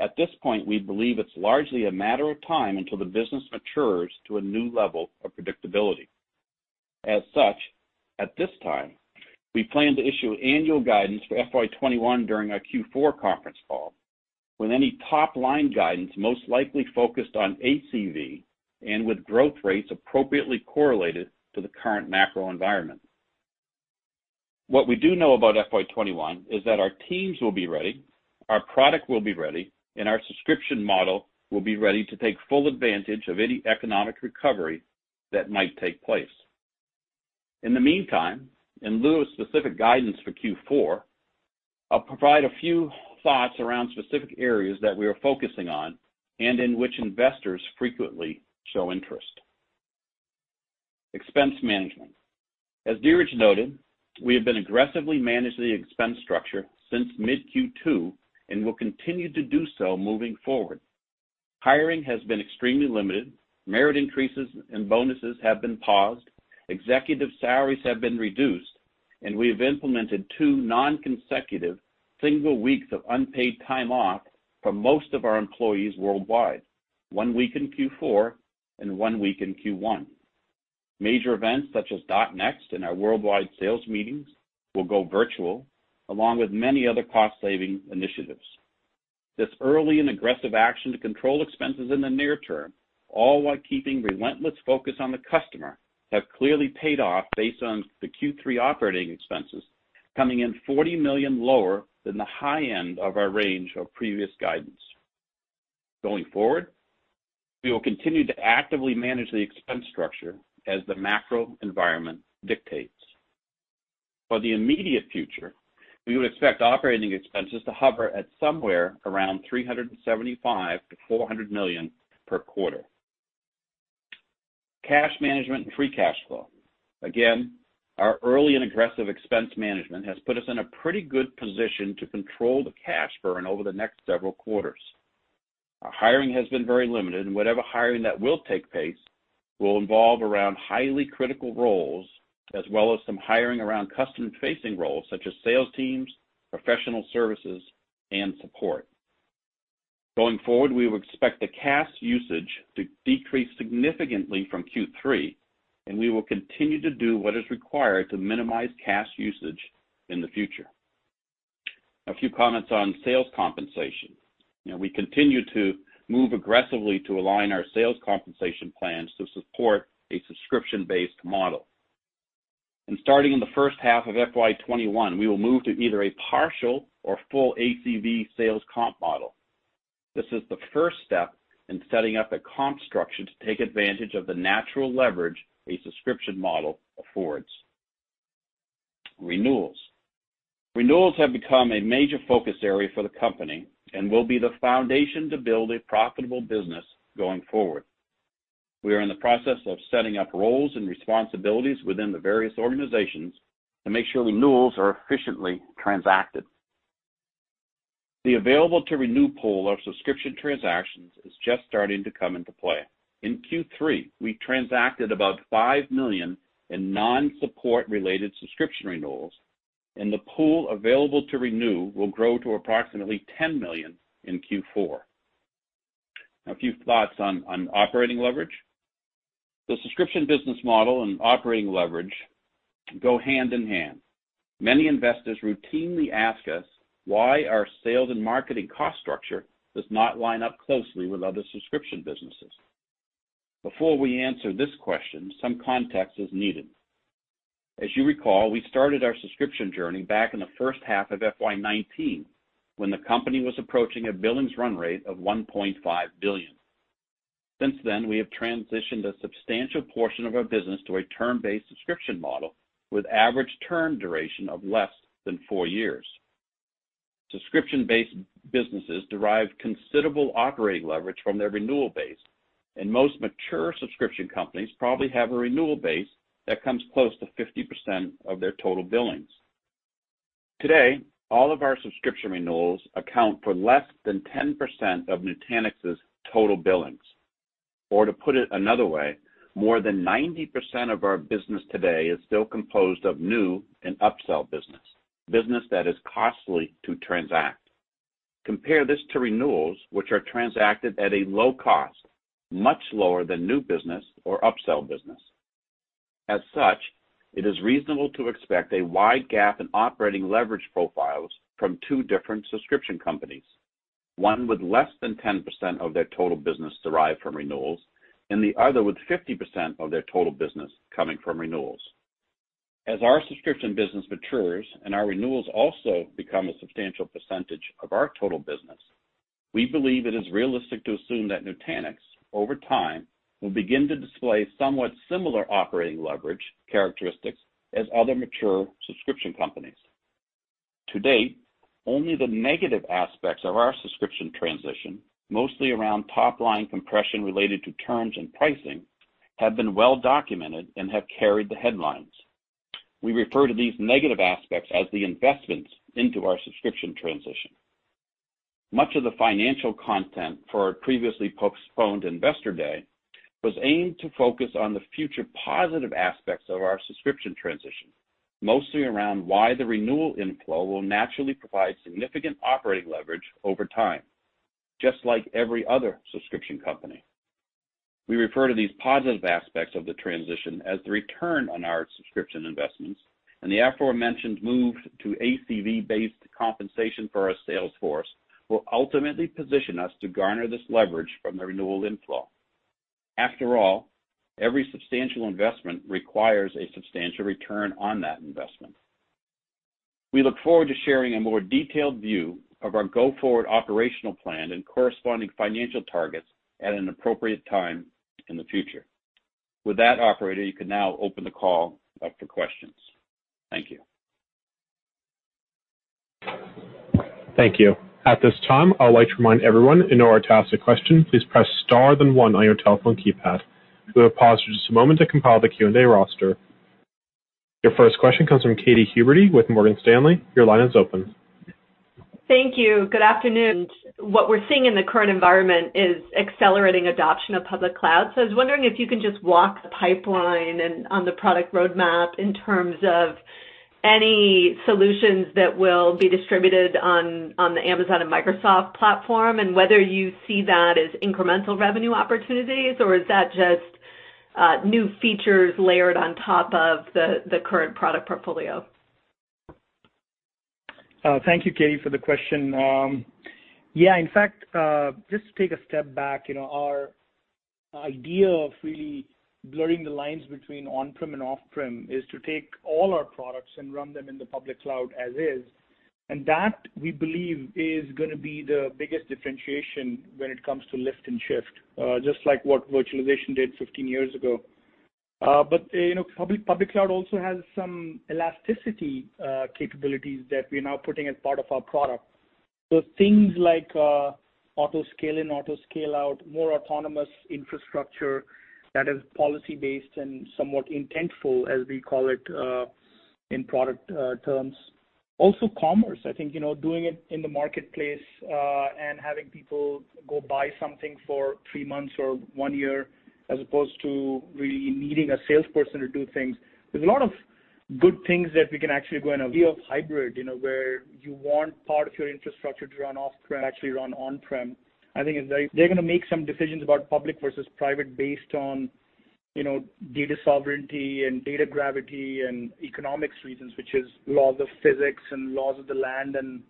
at this point, we believe it's largely a matter of time until the business matures to a new level of predictability. As such, at this time, we plan to issue annual guidance for FY 2021 during our Q4 conference call, with any top-line guidance most likely focused on ACV and with growth rates appropriately correlated to the current macro environment. What we do know about FY 2021 is that our teams will be ready, our product will be ready, and our subscription model will be ready to take full advantage of any economic recovery that might take place. In the meantime, in lieu of specific guidance for Q4, I'll provide a few thoughts around specific areas that we are focusing on and in which investors frequently show interest. Expense management. As Dheeraj noted, we have been aggressively managing the expense structure since mid Q2 and will continue to do so moving forward. Hiring has been extremely limited, merit increases and bonuses have been paused, executive salaries have been reduced, and we have implemented two non-consecutive single weeks of unpaid time off for most of our employees worldwide, one week in Q4 and one week in Q1. Major events such as .NEXT and our worldwide sales meetings will go virtual, along with many other cost-saving initiatives. This early and aggressive action to control expenses in the near term, all while keeping relentless focus on the customer, have clearly paid off based on the Q3 operating expenses, coming in $40 million lower than the high end of our range of previous guidance. Going forward, we will continue to actively manage the expense structure as the macro environment dictates. For the immediate future, we would expect operating expenses to hover at somewhere around $375 million-$400 million per quarter. Cash management and free cash flow. Again, our early and aggressive expense management has put us in a pretty good position to control the cash burn over the next several quarters. Our hiring has been very limited. Whatever hiring that will take place will involve around highly critical roles, as well as some hiring around customer-facing roles such as sales teams, professional services, and support. Going forward, we would expect the cash usage to decrease significantly from Q3. We will continue to do what is required to minimize cash usage in the future. A few comments on sales compensation. We continue to move aggressively to align our sales compensation plans to support a subscription-based model. Starting in the first half of FY 2021, we will move to either a partial or full ACV sales comp model. This is the first step in setting up a comp structure to take advantage of the natural leverage a subscription model affords. Renewals. Renewals have become a major focus area for the company and will be the foundation to build a profitable business going forward. We are in the process of setting up roles and responsibilities within the various organizations to make sure renewals are efficiently transacted. The available to renew pool of subscription transactions is just starting to come into play. In Q3, we transacted about $5 million in non-support related subscription renewals, and the pool available to renew will grow to approximately $10 million in Q4. A few thoughts on operating leverage. The subscription business model and operating leverage go hand in hand. Many investors routinely ask us why our sales and marketing cost structure does not line up closely with other subscription businesses. Before we answer this question, some context is needed. As you recall, we started our subscription journey back in the first half of FY 2019 when the company was approaching a billings run rate of $1.5 billion. Since then, we have transitioned a substantial portion of our business to a term-based subscription model with average term duration of less than four years. Subscription-based businesses derive considerable operating leverage from their renewal base, and most mature subscription companies probably have a renewal base that comes close to 50% of their total billings. Today, all of our subscription renewals account for less than 10% of Nutanix's total billings. Or to put it another way, more than 90% of our business today is still composed of new and upsell business that is costly to transact. Compare this to renewals, which are transacted at a low cost, much lower than new business or upsell business. As such, it is reasonable to expect a wide gap in operating leverage profiles from two different subscription companies. One with less than 10% of their total business derived from renewals, and the other with 50% of their total business coming from renewals. As our subscription business matures and our renewals also become a substantial percentage of our total business, we believe it is realistic to assume that Nutanix, over time, will begin to display somewhat similar operating leverage characteristics as other mature subscription companies. To date, only the negative aspects of our subscription transition, mostly around top-line compression related to terms and pricing, have been well documented and have carried the headlines. We refer to these negative aspects as the investments into our subscription transition. Much of the financial content for our previously postponed Investor Day was aimed to focus on the future positive aspects of our subscription transition, mostly around why the renewal inflow will naturally provide significant operating leverage over time. Just like every other subscription company, we refer to these positive aspects of the transition as the return on our subscription investments, and the aforementioned move to ACV-based compensation for our sales force will ultimately position us to garner this leverage from the renewal inflow. After all, every substantial investment requires a substantial return on that investment. We look forward to sharing a more detailed view of our go-forward operational plan and corresponding financial targets at an appropriate time in the future. With that, operator, you can now open the call up for questions. Thank you. Thank you. At this time, I would like to remind everyone, in order to ask a question, please press star then one on your telephone keypad. We will pause for just a moment to compile the Q&A roster. Your first question comes from Katy Huberty with Morgan Stanley. Your line is open. Thank you. Good afternoon. What we're seeing in the current environment is accelerating adoption of public cloud. I was wondering if you can just walk the pipeline and on the product roadmap in terms of any solutions that will be distributed on the Amazon and Microsoft platform, and whether you see that as incremental revenue opportunities, or is that just new features layered on top of the current product portfolio? Thank you, Katy, for the question. Yeah, in fact, just to take a step back, our idea of really blurring the lines between on-prem and off-prem is to take all our products and run them in the public cloud as is. That, we believe, is going to be the biggest differentiation when it comes to lift and shift, just like what virtualization did 15 years ago. Public cloud also has some elasticity capabilities that we're now putting as part of our product. Things like auto scale in, auto scale out, more autonomous infrastructure that is policy-based and somewhat intentful, as we call it in product terms. Also commerce, I think, doing it in the marketplace, and having people go buy something for three months or one year as opposed to really needing a salesperson to do things. There's a lot of good things that we can actually go in a real hybrid, where you want part of your infrastructure to run off-prem, actually run on-prem. I think they're going to make some decisions about public versus private based on data sovereignty and data gravity and economics reasons, which is laws of physics and laws of the land and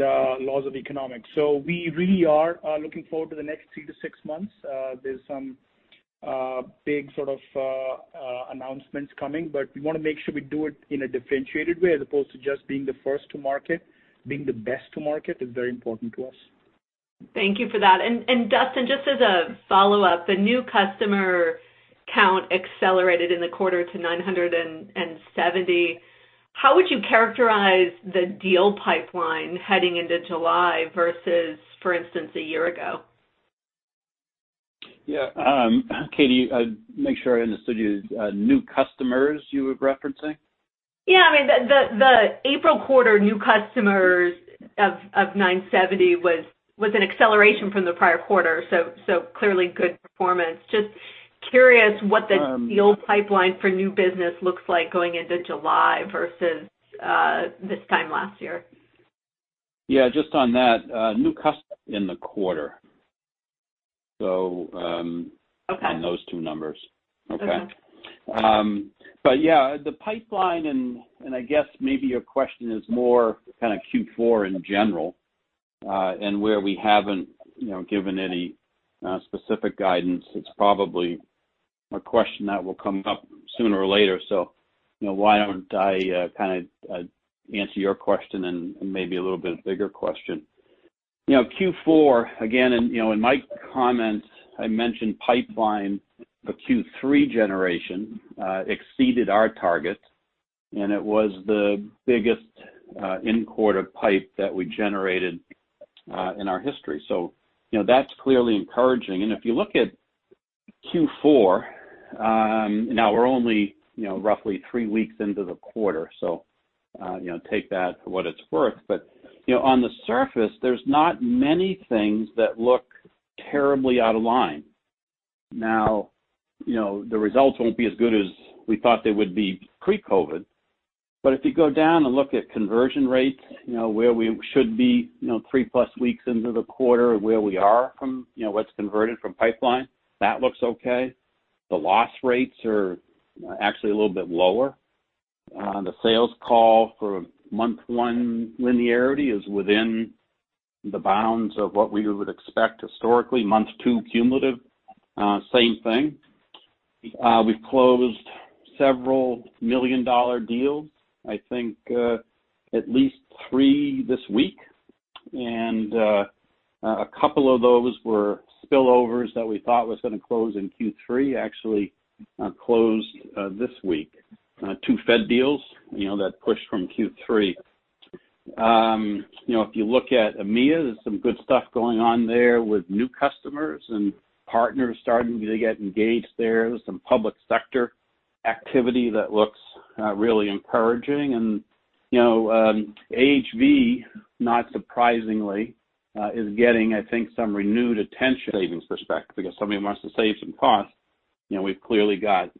laws of economics. We really are looking forward to the next three to six months. There's some big sort of announcements coming, but we want to make sure we do it in a differentiated way as opposed to just being the first to market. Being the best to market is very important to us. Thank you for that. Duston, just as a follow-up, the new customer count accelerated in the quarter to 970. How would you characterize the deal pipeline heading into July versus, for instance, a year ago? Yeah. Katie, make sure I understood you. New customers you were referencing? Yeah, the April quarter new customers of 970 was an acceleration from the prior quarter, so clearly good performance. Just curious what the deal pipeline for new business looks like going into July versus this time last year. Yeah, just on that, new customer in the quarter. Okay on those two numbers. Okay? Okay. Yeah, the pipeline and I guess maybe your question is more kind of Q4 in general, and where we haven't given any specific guidance, it's probably a question that will come up sooner or later. Why don't I kind of answer your question and maybe a little bit bigger question. Q4, again, in my comments, I mentioned pipeline for Q3 generation exceeded our target, and it was the biggest in-quarter pipe that we generated in our history. That's clearly encouraging. If you look at Q4, now we're only roughly three weeks into the quarter, take that for what it's worth. On the surface, there's not many things that look terribly out of line. Now, the results won't be as good as we thought they would be pre-COVID-19, but if you go down and look at conversion rates, where we should be three-plus weeks into the quarter and where we are from what's converted from pipeline, that looks okay. The loss rates are actually a little bit lower. The sales call for month one linearity is within the bounds of what we would expect historically. Month two cumulative is the same thing. We've closed several million-dollar deals, I think, at least three this week. A couple of those were spillovers that we thought was going to close in Q3 actually closed this week, two Fed deals that pushed from Q3. If you look at EMEIA, there's some good stuff going on there with new customers and partners starting to get engaged there. There's some public sector activity that looks really encouraging. AHV, not surprisingly, is getting, I think, some renewed attention savings perspective because so many of us have saved some costs. We've clearly got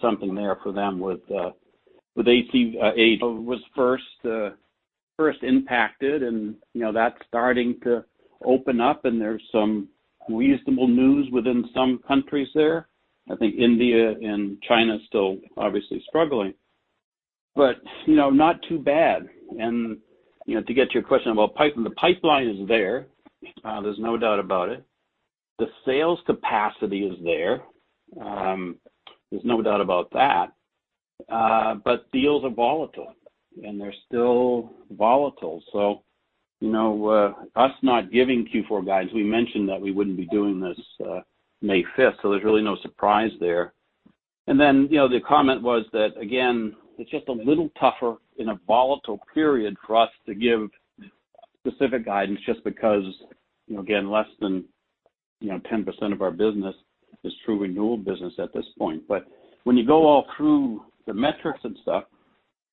something there for them with Asia. Asia was first impacted, and that's starting to open up, and there's some reasonable news within some countries there. I think India and China still obviously struggling. Not too bad. To get to your question about pipeline, the pipeline is there's no doubt about it. The sales capacity is there's no doubt about that. Deals are volatile, and they're still volatile. Us not giving Q4 guidance, we mentioned that we wouldn't be doing this May 5th, so there's really no surprise there. The comment was that, again, it's just a little tougher in a volatile period for us to give specific guidance just because, again, less than 10% of our business is true renewal business at this point. When you go all through the metrics and stuff,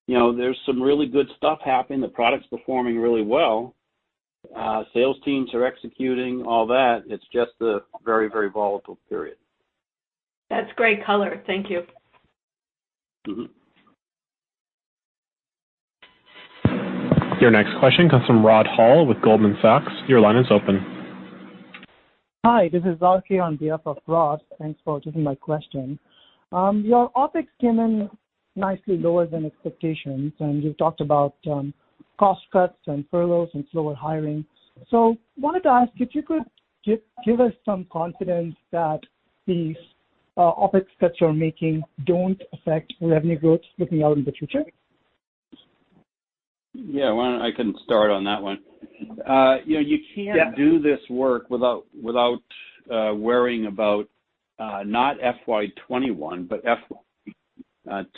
there's some really good stuff happening. The product's performing really well. Sales teams are executing, all that. It's just a very volatile period. That's great color. Thank you. Your next question comes from Rod Hall with Goldman Sachs. Your line is open. Hi, this is Rocky on behalf of Rod. Thanks for taking my question. Your OpEx came in nicely lower than expectations, and you've talked about cost cuts and furloughs and slower hiring. I wanted to ask if you could give us some confidence that these OpEx cuts you're making don't affect revenue growth looking out in the future? Yeah. Why don't I can start on that one. Yeah Do this work without worrying about not FY 2021 but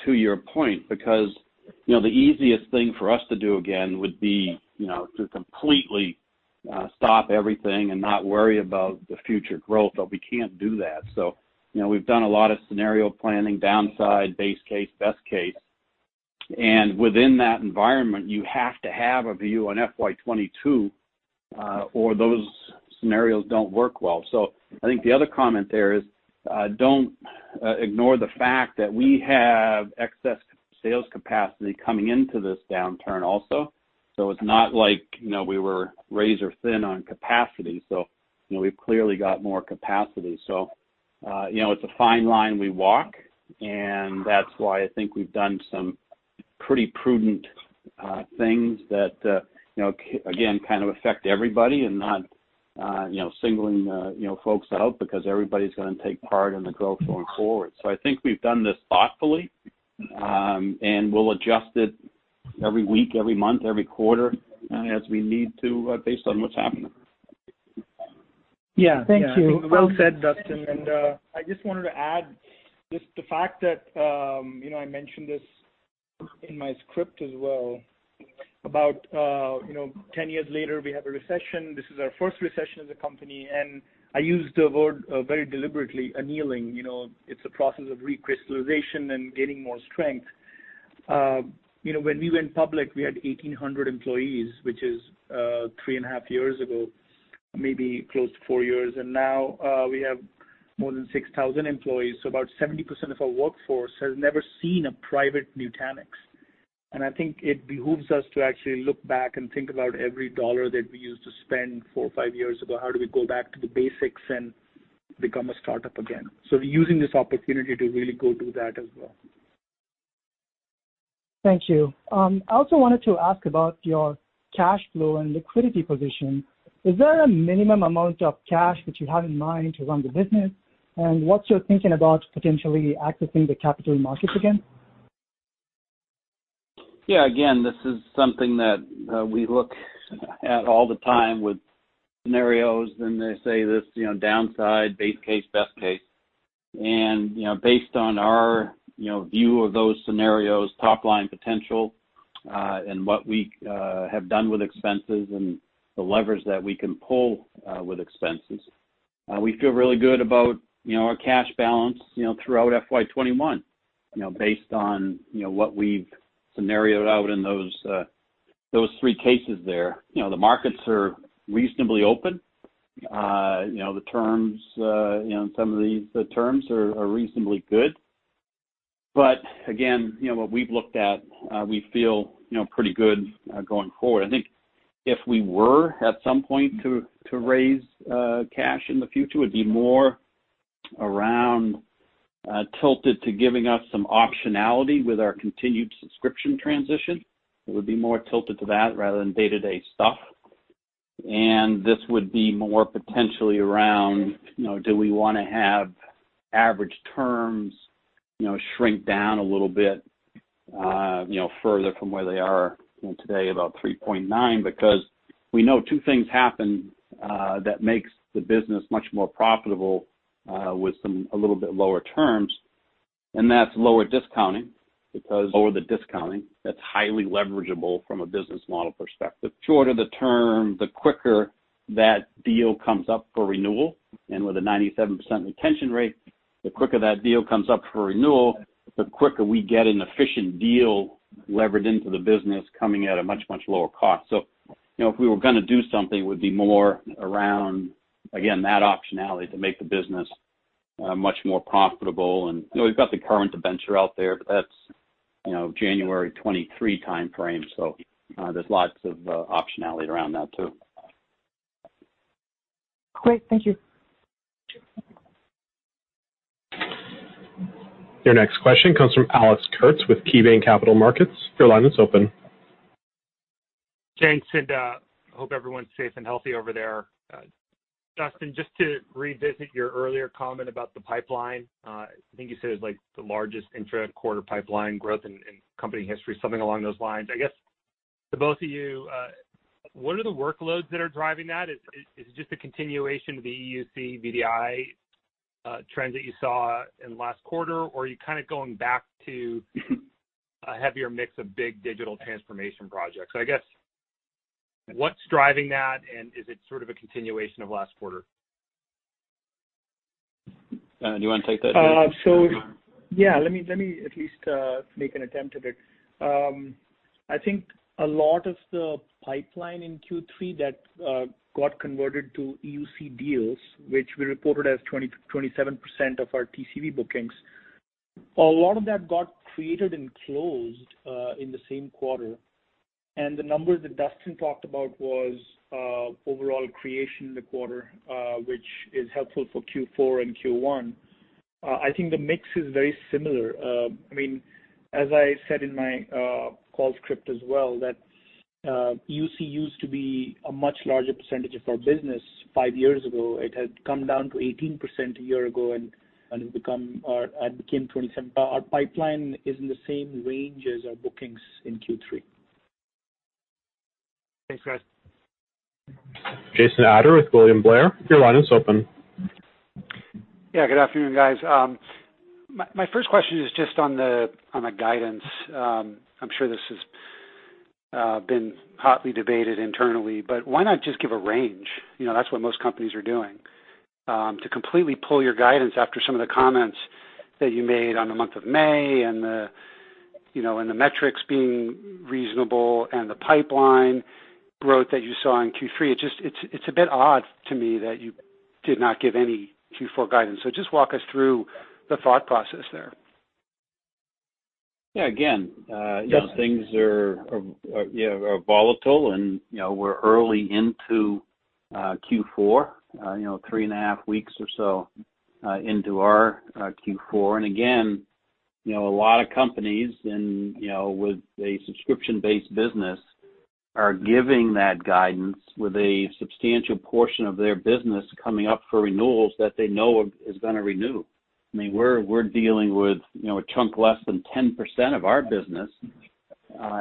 to your point, the easiest thing for us to do again would be to completely stop everything and not worry about the future growth, we can't do that. We've done a lot of scenario planning, downside, base case, best case. Within that environment, you have to have a view on FY 2022, or those scenarios don't work well. I think the other comment there is, don't ignore the fact that we have excess sales capacity coming into this downturn also. It's not like we were razor thin on capacity. We've clearly got more capacity. It's a fine line we walk, and that's why I think we've done some pretty prudent things that, again, kind of affect everybody and not singling folks out because everybody's going to take part in the growth going forward. I think we've done this thoughtfully, and we'll adjust it every week, every month, every quarter as we need to, based on what's happening. Yeah. Thank you. Yeah. Well said, Duston. I just wanted to add just the fact that, I mentioned this in my script as well, about 10 years later, we have a recession. This is our first recession as a company, I use the word very deliberately, annealing. It's a process of recrystallization and gaining more strength. When we went public, we had 1,800 employees, which is three and a half years ago, maybe close to four years. Now, we have more than 6,000 employees. About 70% of our workforce has never seen a private Nutanix. I think it behooves us to actually look back and think about every dollar that we used to spend four or five years ago. How do we go back to the basics and become a startup again? We're using this opportunity to really go do that as well. Thank you. I also wanted to ask about your cash flow and liquidity position. Is there a minimum amount of cash that you have in mind to run the business? What's your thinking about potentially accessing the capital markets again? Yeah. Again, this is something that we look at all the time with scenarios, they say this downside, base case, best case. Based on our view of those scenarios, top-line potential, and what we have done with expenses and the levers that we can pull with expenses. We feel really good about our cash balance throughout FY 2021 based on what we've scenarioed out in those three cases there. The markets are reasonably open. Some of these terms are reasonably good. Again, what we've looked at, we feel pretty good going forward. I think if we were, at some point, to raise cash in the future, would be more around tilted to giving us some optionality with our continued subscription transition. It would be more tilted to that rather than day-to-day stuff. This would be more potentially around, do we want to have average terms shrink down a little bit further from where they are today, about 3.9, because we know two things happen that makes the business much more profitable with some a little bit lower terms, and that's lower discounting because lower the discounting, that's highly leverageable from a business model perspective. Shorter the term, the quicker that deal comes up for renewal. With a 97% retention rate, the quicker that deal comes up for renewal, the quicker we get an efficient deal levered into the business coming at a much, much lower cost. If we were going to do something, it would be more around, again, that optionality to make the business much more profitable. We've got the current debenture out there, but that's January 2023 timeframe, there's lots of optionality around that too. Great. Thank you. Your next question comes from Alex Kurtz with KeyBanc Capital Markets. Your line is open. Thanks, Sid. Hope everyone's safe and healthy over there. Duston, just to revisit your earlier comment about the pipeline. I think you said it's the largest intra-quarter pipeline growth in company history, something along those lines. I guess to both of you, what are the workloads that are driving that? Is it just a continuation of the EUC, VDI trends that you saw in the last quarter, or are you going back to a heavier mix of big digital transformation projects? I guess, what's driving that, and is it sort of a continuation of last quarter? Do you want to take that, Dheeraj? Yeah. Let me at least make an attempt at it. I think a lot of the pipeline in Q3 that got converted to EUC deals, which we reported as 27% of our TCV bookings. A lot of that got created and closed in the same quarter. The numbers that Duston talked about was overall creation in the quarter, which is helpful for Q4 and Q1. I think the mix is very similar. As I said in my call script as well, that EUC used to be a much larger percentage of our business five years ago. It had come down to 18% a year ago, and it became 27%. Our pipeline is in the same range as our bookings in Q3. Thanks, guys. Jason Ader with William Blair. Your line is open. Yeah, good afternoon, guys. My first question is just on the guidance. I'm sure this has been hotly debated internally, but why not just give a range? That's what most companies are doing. To completely pull your guidance after some of the comments that you made on the month of May and the metrics being reasonable and the pipeline growth that you saw in Q3, it's a bit odd to me that you did not give any Q4 guidance. Just walk us through the thought process there. Again, things are volatile. We're early into Q4. 3.5 weeks or so into our Q4. Again, a lot of companies with a subscription-based business are giving that guidance with a substantial portion of their business coming up for renewals that they know is going to renew. We're dealing with a chunk less than 10% of our business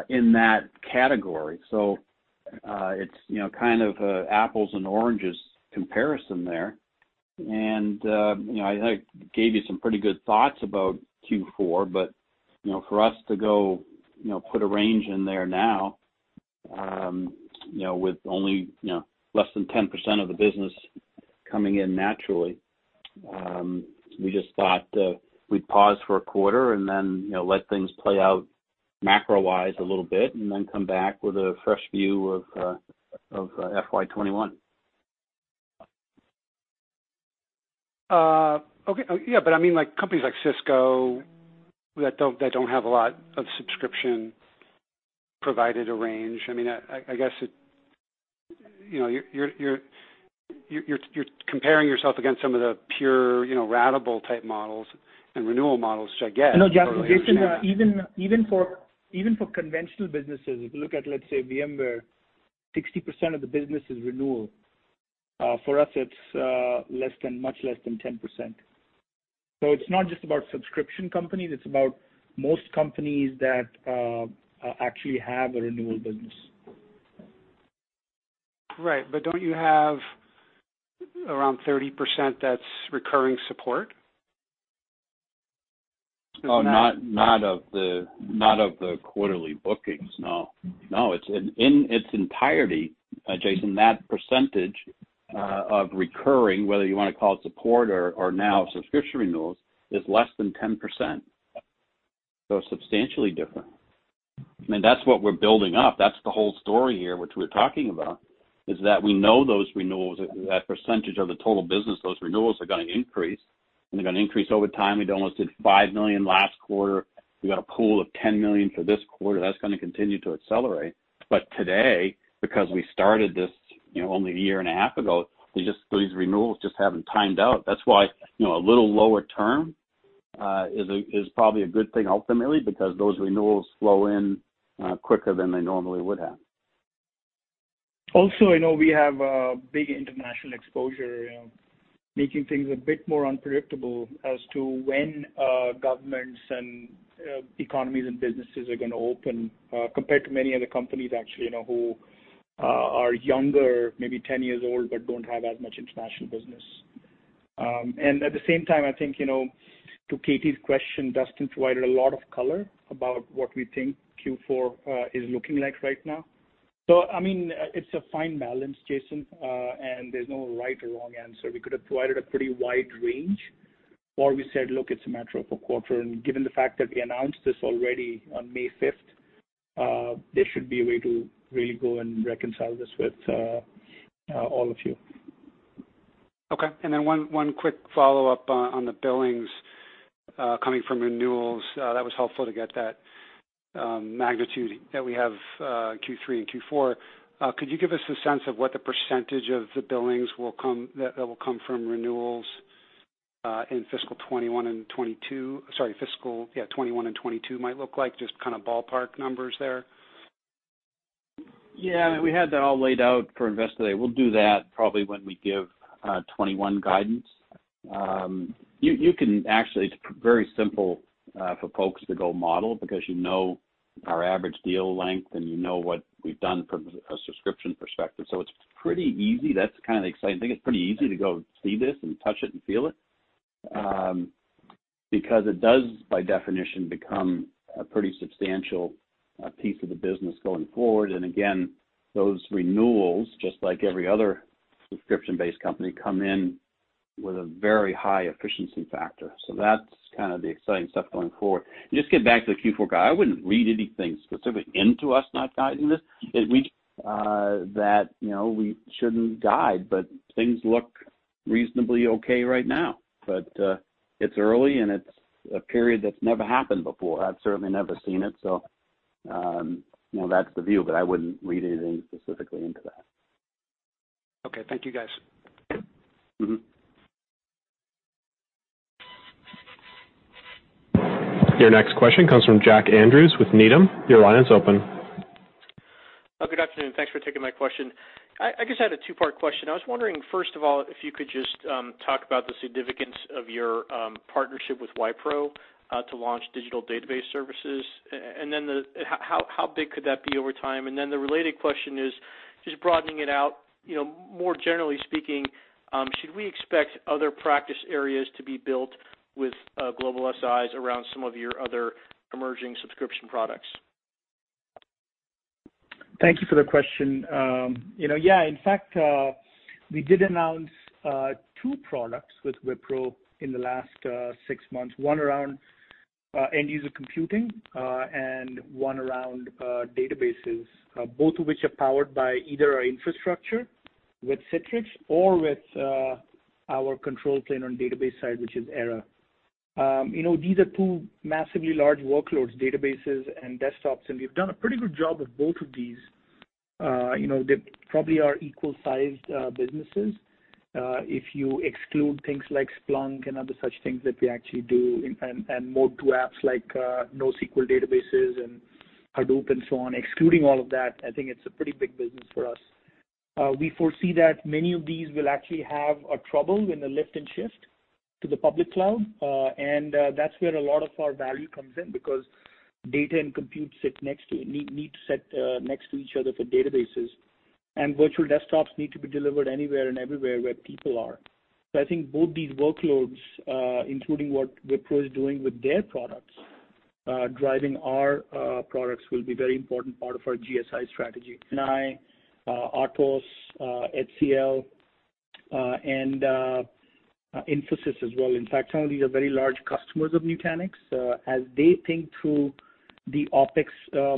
in that category. It's kind of an apples and oranges comparison there. I gave you some pretty good thoughts about Q4, but for us to go put a range in there now, with only less than 10% of the business coming in naturally, we just thought we'd pause for a quarter and then let things play out macro-wise a little bit and then come back with a fresh view of FY 2021. Okay. Yeah, companies like Cisco that don't have a lot of subscription provided a range. I guess you're comparing yourself against some of the pure ratable type models and renewal models, which I get. No, Jason, even for conventional businesses, if you look at, let's say, VMware, 60% of the business is renewal. For us, it's much less than 10%. It's not just about subscription companies, it's about most companies that actually have a renewal business. Don't you have around 30% that's recurring support? Not of the quarterly bookings, no. No. In its entirety, Jason, that percentage of recurring, whether you want to call it support or now subscription renewals, is less than 10%. Substantially different. That's what we're building up. That's the whole story here, which we're talking about, is that we know those renewals, that percentage of the total business, those renewals are going to increase, and they're going to increase over time. We almost did $5 million last quarter. We've got a pool of $10 million for this quarter. That's going to continue to accelerate. Today, because we started this only a year and a half ago, these renewals just haven't timed out. That's why a little lower term is probably a good thing ultimately, because those renewals flow in quicker than they normally would have. Also, I know we have a big international exposure, making things a bit more unpredictable as to when governments and economies and businesses are going to open. Compared to many other companies, actually, who are younger, maybe 10 years old, but don't have as much international business. At the same time, I think, to Katy's question, Duston provided a lot of color about what we think Q4 is looking like right now. It's a fine balance, Jason, and there's no right or wrong answer. We could have provided a pretty wide range. We said, "Look, it's a matter of a quarter." Given the fact that we announced this already on May 5th, there should be a way to really go and reconcile this with all of you. Okay. One quick follow-up on the billings coming from renewals. That was helpful to get that magnitude that we have Q3 and Q4. Could you give us a sense of what the % of the billings that will come from renewals in fiscal 2021 and 2022 might look like? Just kind of ballpark numbers there. I mean, we had that all laid out for Investor Day. We'll do that probably when we give 2021 guidance. You can actually It's very simple for folks to go model because you know our average deal length, and you know what we've done from a subscription perspective. It's pretty easy. That's kind of exciting. I think it's pretty easy to go see this and touch it and feel it. It does, by definition, become a pretty substantial piece of the business going forward. Again, those renewals, just like every other subscription-based company, come in with a very high efficiency factor. That's kind of the exciting stuff going forward. Just get back to the Q4 guide. I wouldn't read anything specifically into us not guiding this. That we shouldn't guide, things look reasonably okay right now. It's early, and it's a period that's never happened before. I've certainly never seen it. That's the view. I wouldn't read anything specifically into that. Okay. Thank you, guys. Your next question comes from Jack Andrews with Needham. Your line is open. Good afternoon. Thanks for taking my question. I guess I had a two-part question. I was wondering, first of all, if you could just talk about the significance of your partnership with Wipro to launch digital database services, and then how big could that be over time? The related question is, just broadening it out, more generally speaking, should we expect other practice areas to be built with global SIs around some of your other emerging subscription products? Thank you for the question. Yeah. In fact, we did announce two products with Wipro in the last six months, one around end user computing, and one around databases. Both of which are powered by either our infrastructure with Citrix or with our control plane on database side, which is Era. These are two massively large workloads, databases and desktops, and we've done a pretty good job with both of these. They probably are equal-sized businesses. If you exclude things like Splunk and other such things that we actually do and mode two apps like NoSQL databases and Hadoop and so on, excluding all of that, I think it's a pretty big business for us. We foresee that many of these will actually have a trouble when they lift and shift to the public cloud. That's where a lot of our value comes in, because data and compute need to sit next to each other for databases. Virtual desktops need to be delivered anywhere and everywhere where people are. I think both these workloads, including what Wipro is doing with their products, driving our products, will be very important part of our GSI strategy. NI, Atos, HCL, and Infosys as well. In fact, some of these are very large customers of Nutanix. As they think through the OpEx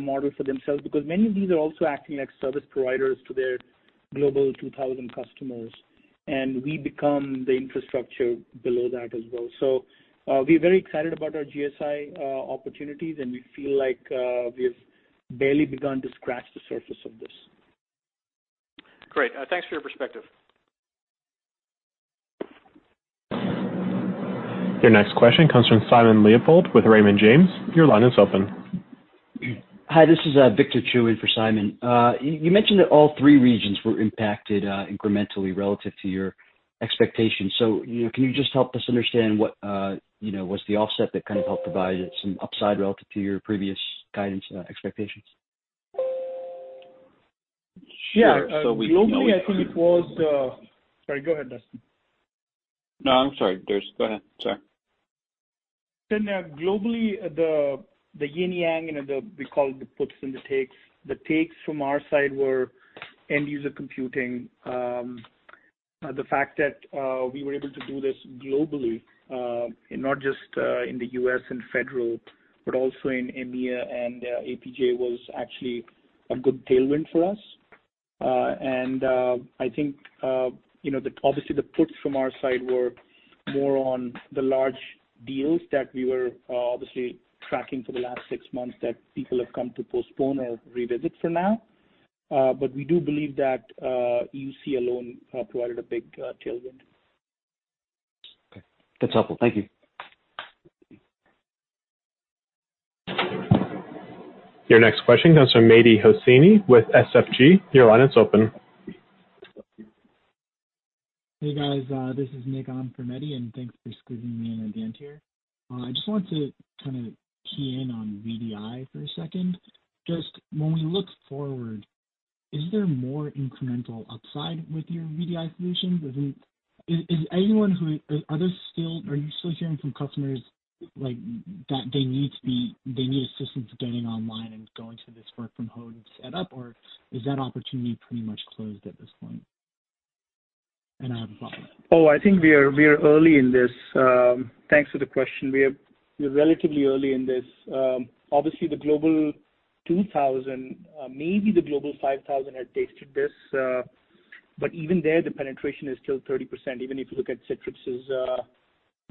model for themselves, because many of these are also acting like service providers to their Global 2,000 customers, and we become the infrastructure below that as well. We're very excited about our GSI opportunities, and we feel like we've barely begun to scratch the surface of this. Great. Thanks for your perspective. Your next question comes from Simon Leopold with Raymond James. Your line is open. Hi, this is Victor Chiu in for Simon. You mentioned that all three regions were impacted incrementally relative to your expectations. Can you just help us understand what's the offset that kind of helped provide some upside relative to your previous guidance expectations? Yeah. Sure. Globally, I think it was. Sorry. Go ahead, Duston. No, I'm sorry. Go ahead. Sorry. Globally, the yin-yang and we call it the puts and the takes. The takes from our side were end user computing. The fact that we were able to do this globally, and not just in the U.S. and federal, but also in EMEA and APJ, was actually a good tailwind for us. I think, obviously, the puts from our side were more on the large deals that we were obviously tracking for the last six months that people have come to postpone or revisit for now. We do believe that EUC alone provided a big tailwind. Okay. That's helpful. Thank you. Your next question comes from Mehdi Hosseini with SIG. Your line is open. Hey, guys. This is Nick on for Mehdi. Thanks for squeezing me in at the end here. I just wanted to kind of key in on VDI for a second. Just when we look forward, is there more incremental upside with your VDI solutions? Are you still hearing from customers, like, that they need assistance getting online and going to this work from home set up, or is that opportunity pretty much closed at this point? I have a follow-up. I think we are early in this. Thanks for the question. We are relatively early in this. Obviously, the Global 2000, maybe the Global 5000 had tasted this. Even there, the penetration is still 30%. Even if you look at Citrix's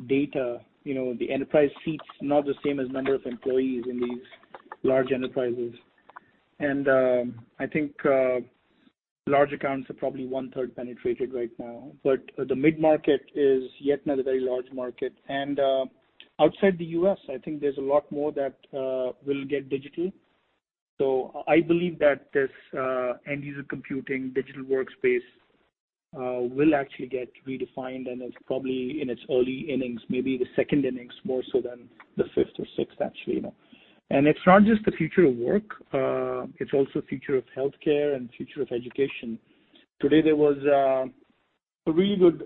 data, the enterprise seats not the same as number of employees in these large enterprises. I think large accounts are probably one third penetrated right now. The mid-market is yet another very large market. Outside the U.S., I think there's a lot more that will get digital. I believe that this end-user computing digital workspace will actually get redefined and is probably in its early innings, maybe the second innings more so than the fifth or sixth, actually. It's not just the future of work, it's also future of healthcare and future of education. Today there was a really good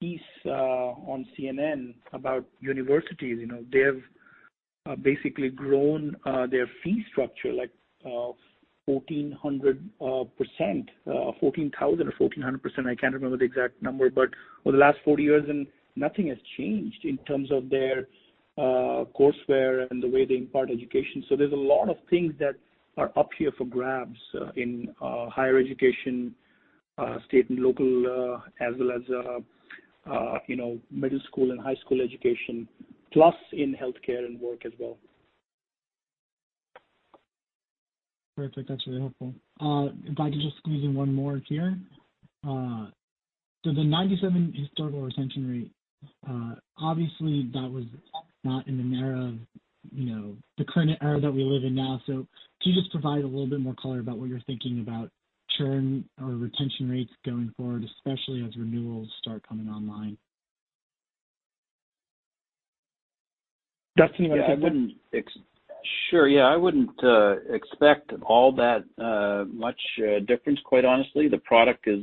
piece on CNN about universities. They have basically grown their fee structure, like 1400%, 14,000 or 1400%, I can't remember the exact number. Over the last 40 years, and nothing has changed in terms of their courseware and the way they impart education. There's a lot of things that are up here for grabs in higher education, state and local, as well as middle school and high school education, plus in healthcare and work as well. Perfect. That's really helpful. If I could just squeeze in one more here. The 97 historical retention rate, obviously that was not in an era of the current era that we live in now. Can you just provide a little bit more color about what you're thinking about churn or retention rates going forward, especially as renewals start coming online? Duston, you want to take that one? Sure. Yeah, I wouldn't expect all that much difference, quite honestly. The product is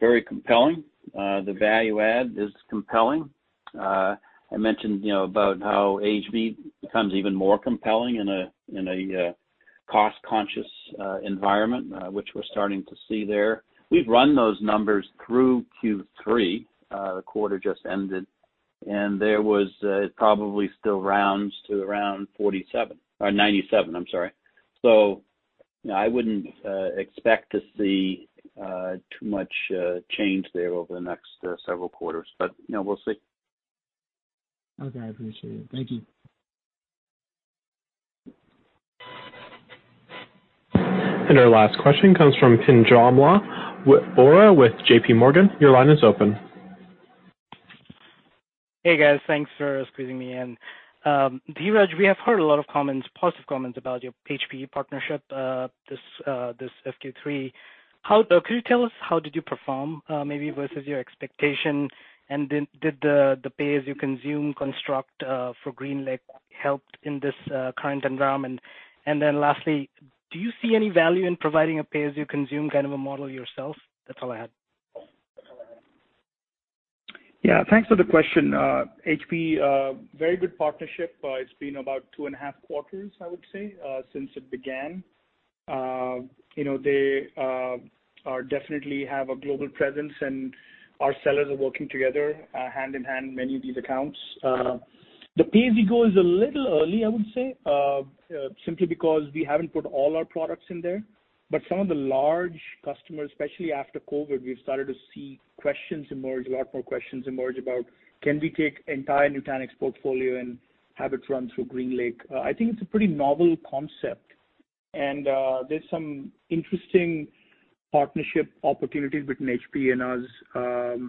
very compelling. The value add is compelling. I mentioned about how AHV becomes even more compelling in a cost-conscious environment, which we're starting to see there. We've run those numbers through Q3. The quarter just ended. There was probably still rounds to around 47 or 97, I'm sorry. I wouldn't expect to see too much change there over the next several quarters. We'll see. Okay, I appreciate it. Thank you. Our last question comes from Pinjalim Bora with JP Morgan. Your line is open. Hey, guys. Thanks for squeezing me in. Dheeraj, we have heard a lot of comments, positive comments about your HPE partnership this FQ3. Could you tell us how did you perform, maybe versus your expectation, and did the pay as you consume construct for GreenLake help in this current environment? Lastly, do you see any value in providing a pay as you consume kind of a model yourself? That's all I had. Yeah, thanks for the question. HPE, very good partnership. It's been about two and a half quarters, I would say, since it began. They definitely have a global presence, and our sellers are working together hand in hand in many of these accounts. The pay as you go is a little early, I would say, simply because we haven't put all our products in there. Some of the large customers, especially after COVID-19, we've started to see questions emerge, a lot more questions emerge about can we take entire Nutanix portfolio and have it run through GreenLake. I think it's a pretty novel concept, and there's some interesting partnership opportunities between HPE and us,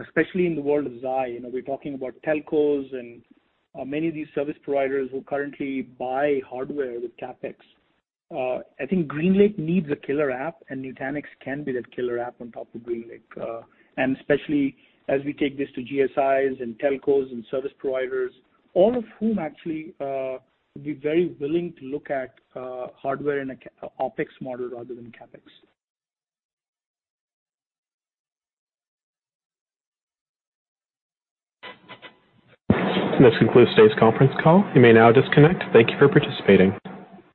especially in the world of 5G. We're talking about telcos and many of these service providers who currently buy hardware with CapEx. I think GreenLake needs a killer app, and Nutanix can be that killer app on top of GreenLake. Especially as we take this to GSIs and telcos and service providers, all of whom actually would be very willing to look at hardware in a OpEx model rather than CapEx. This concludes today's conference call. You may now disconnect. Thank you for participating.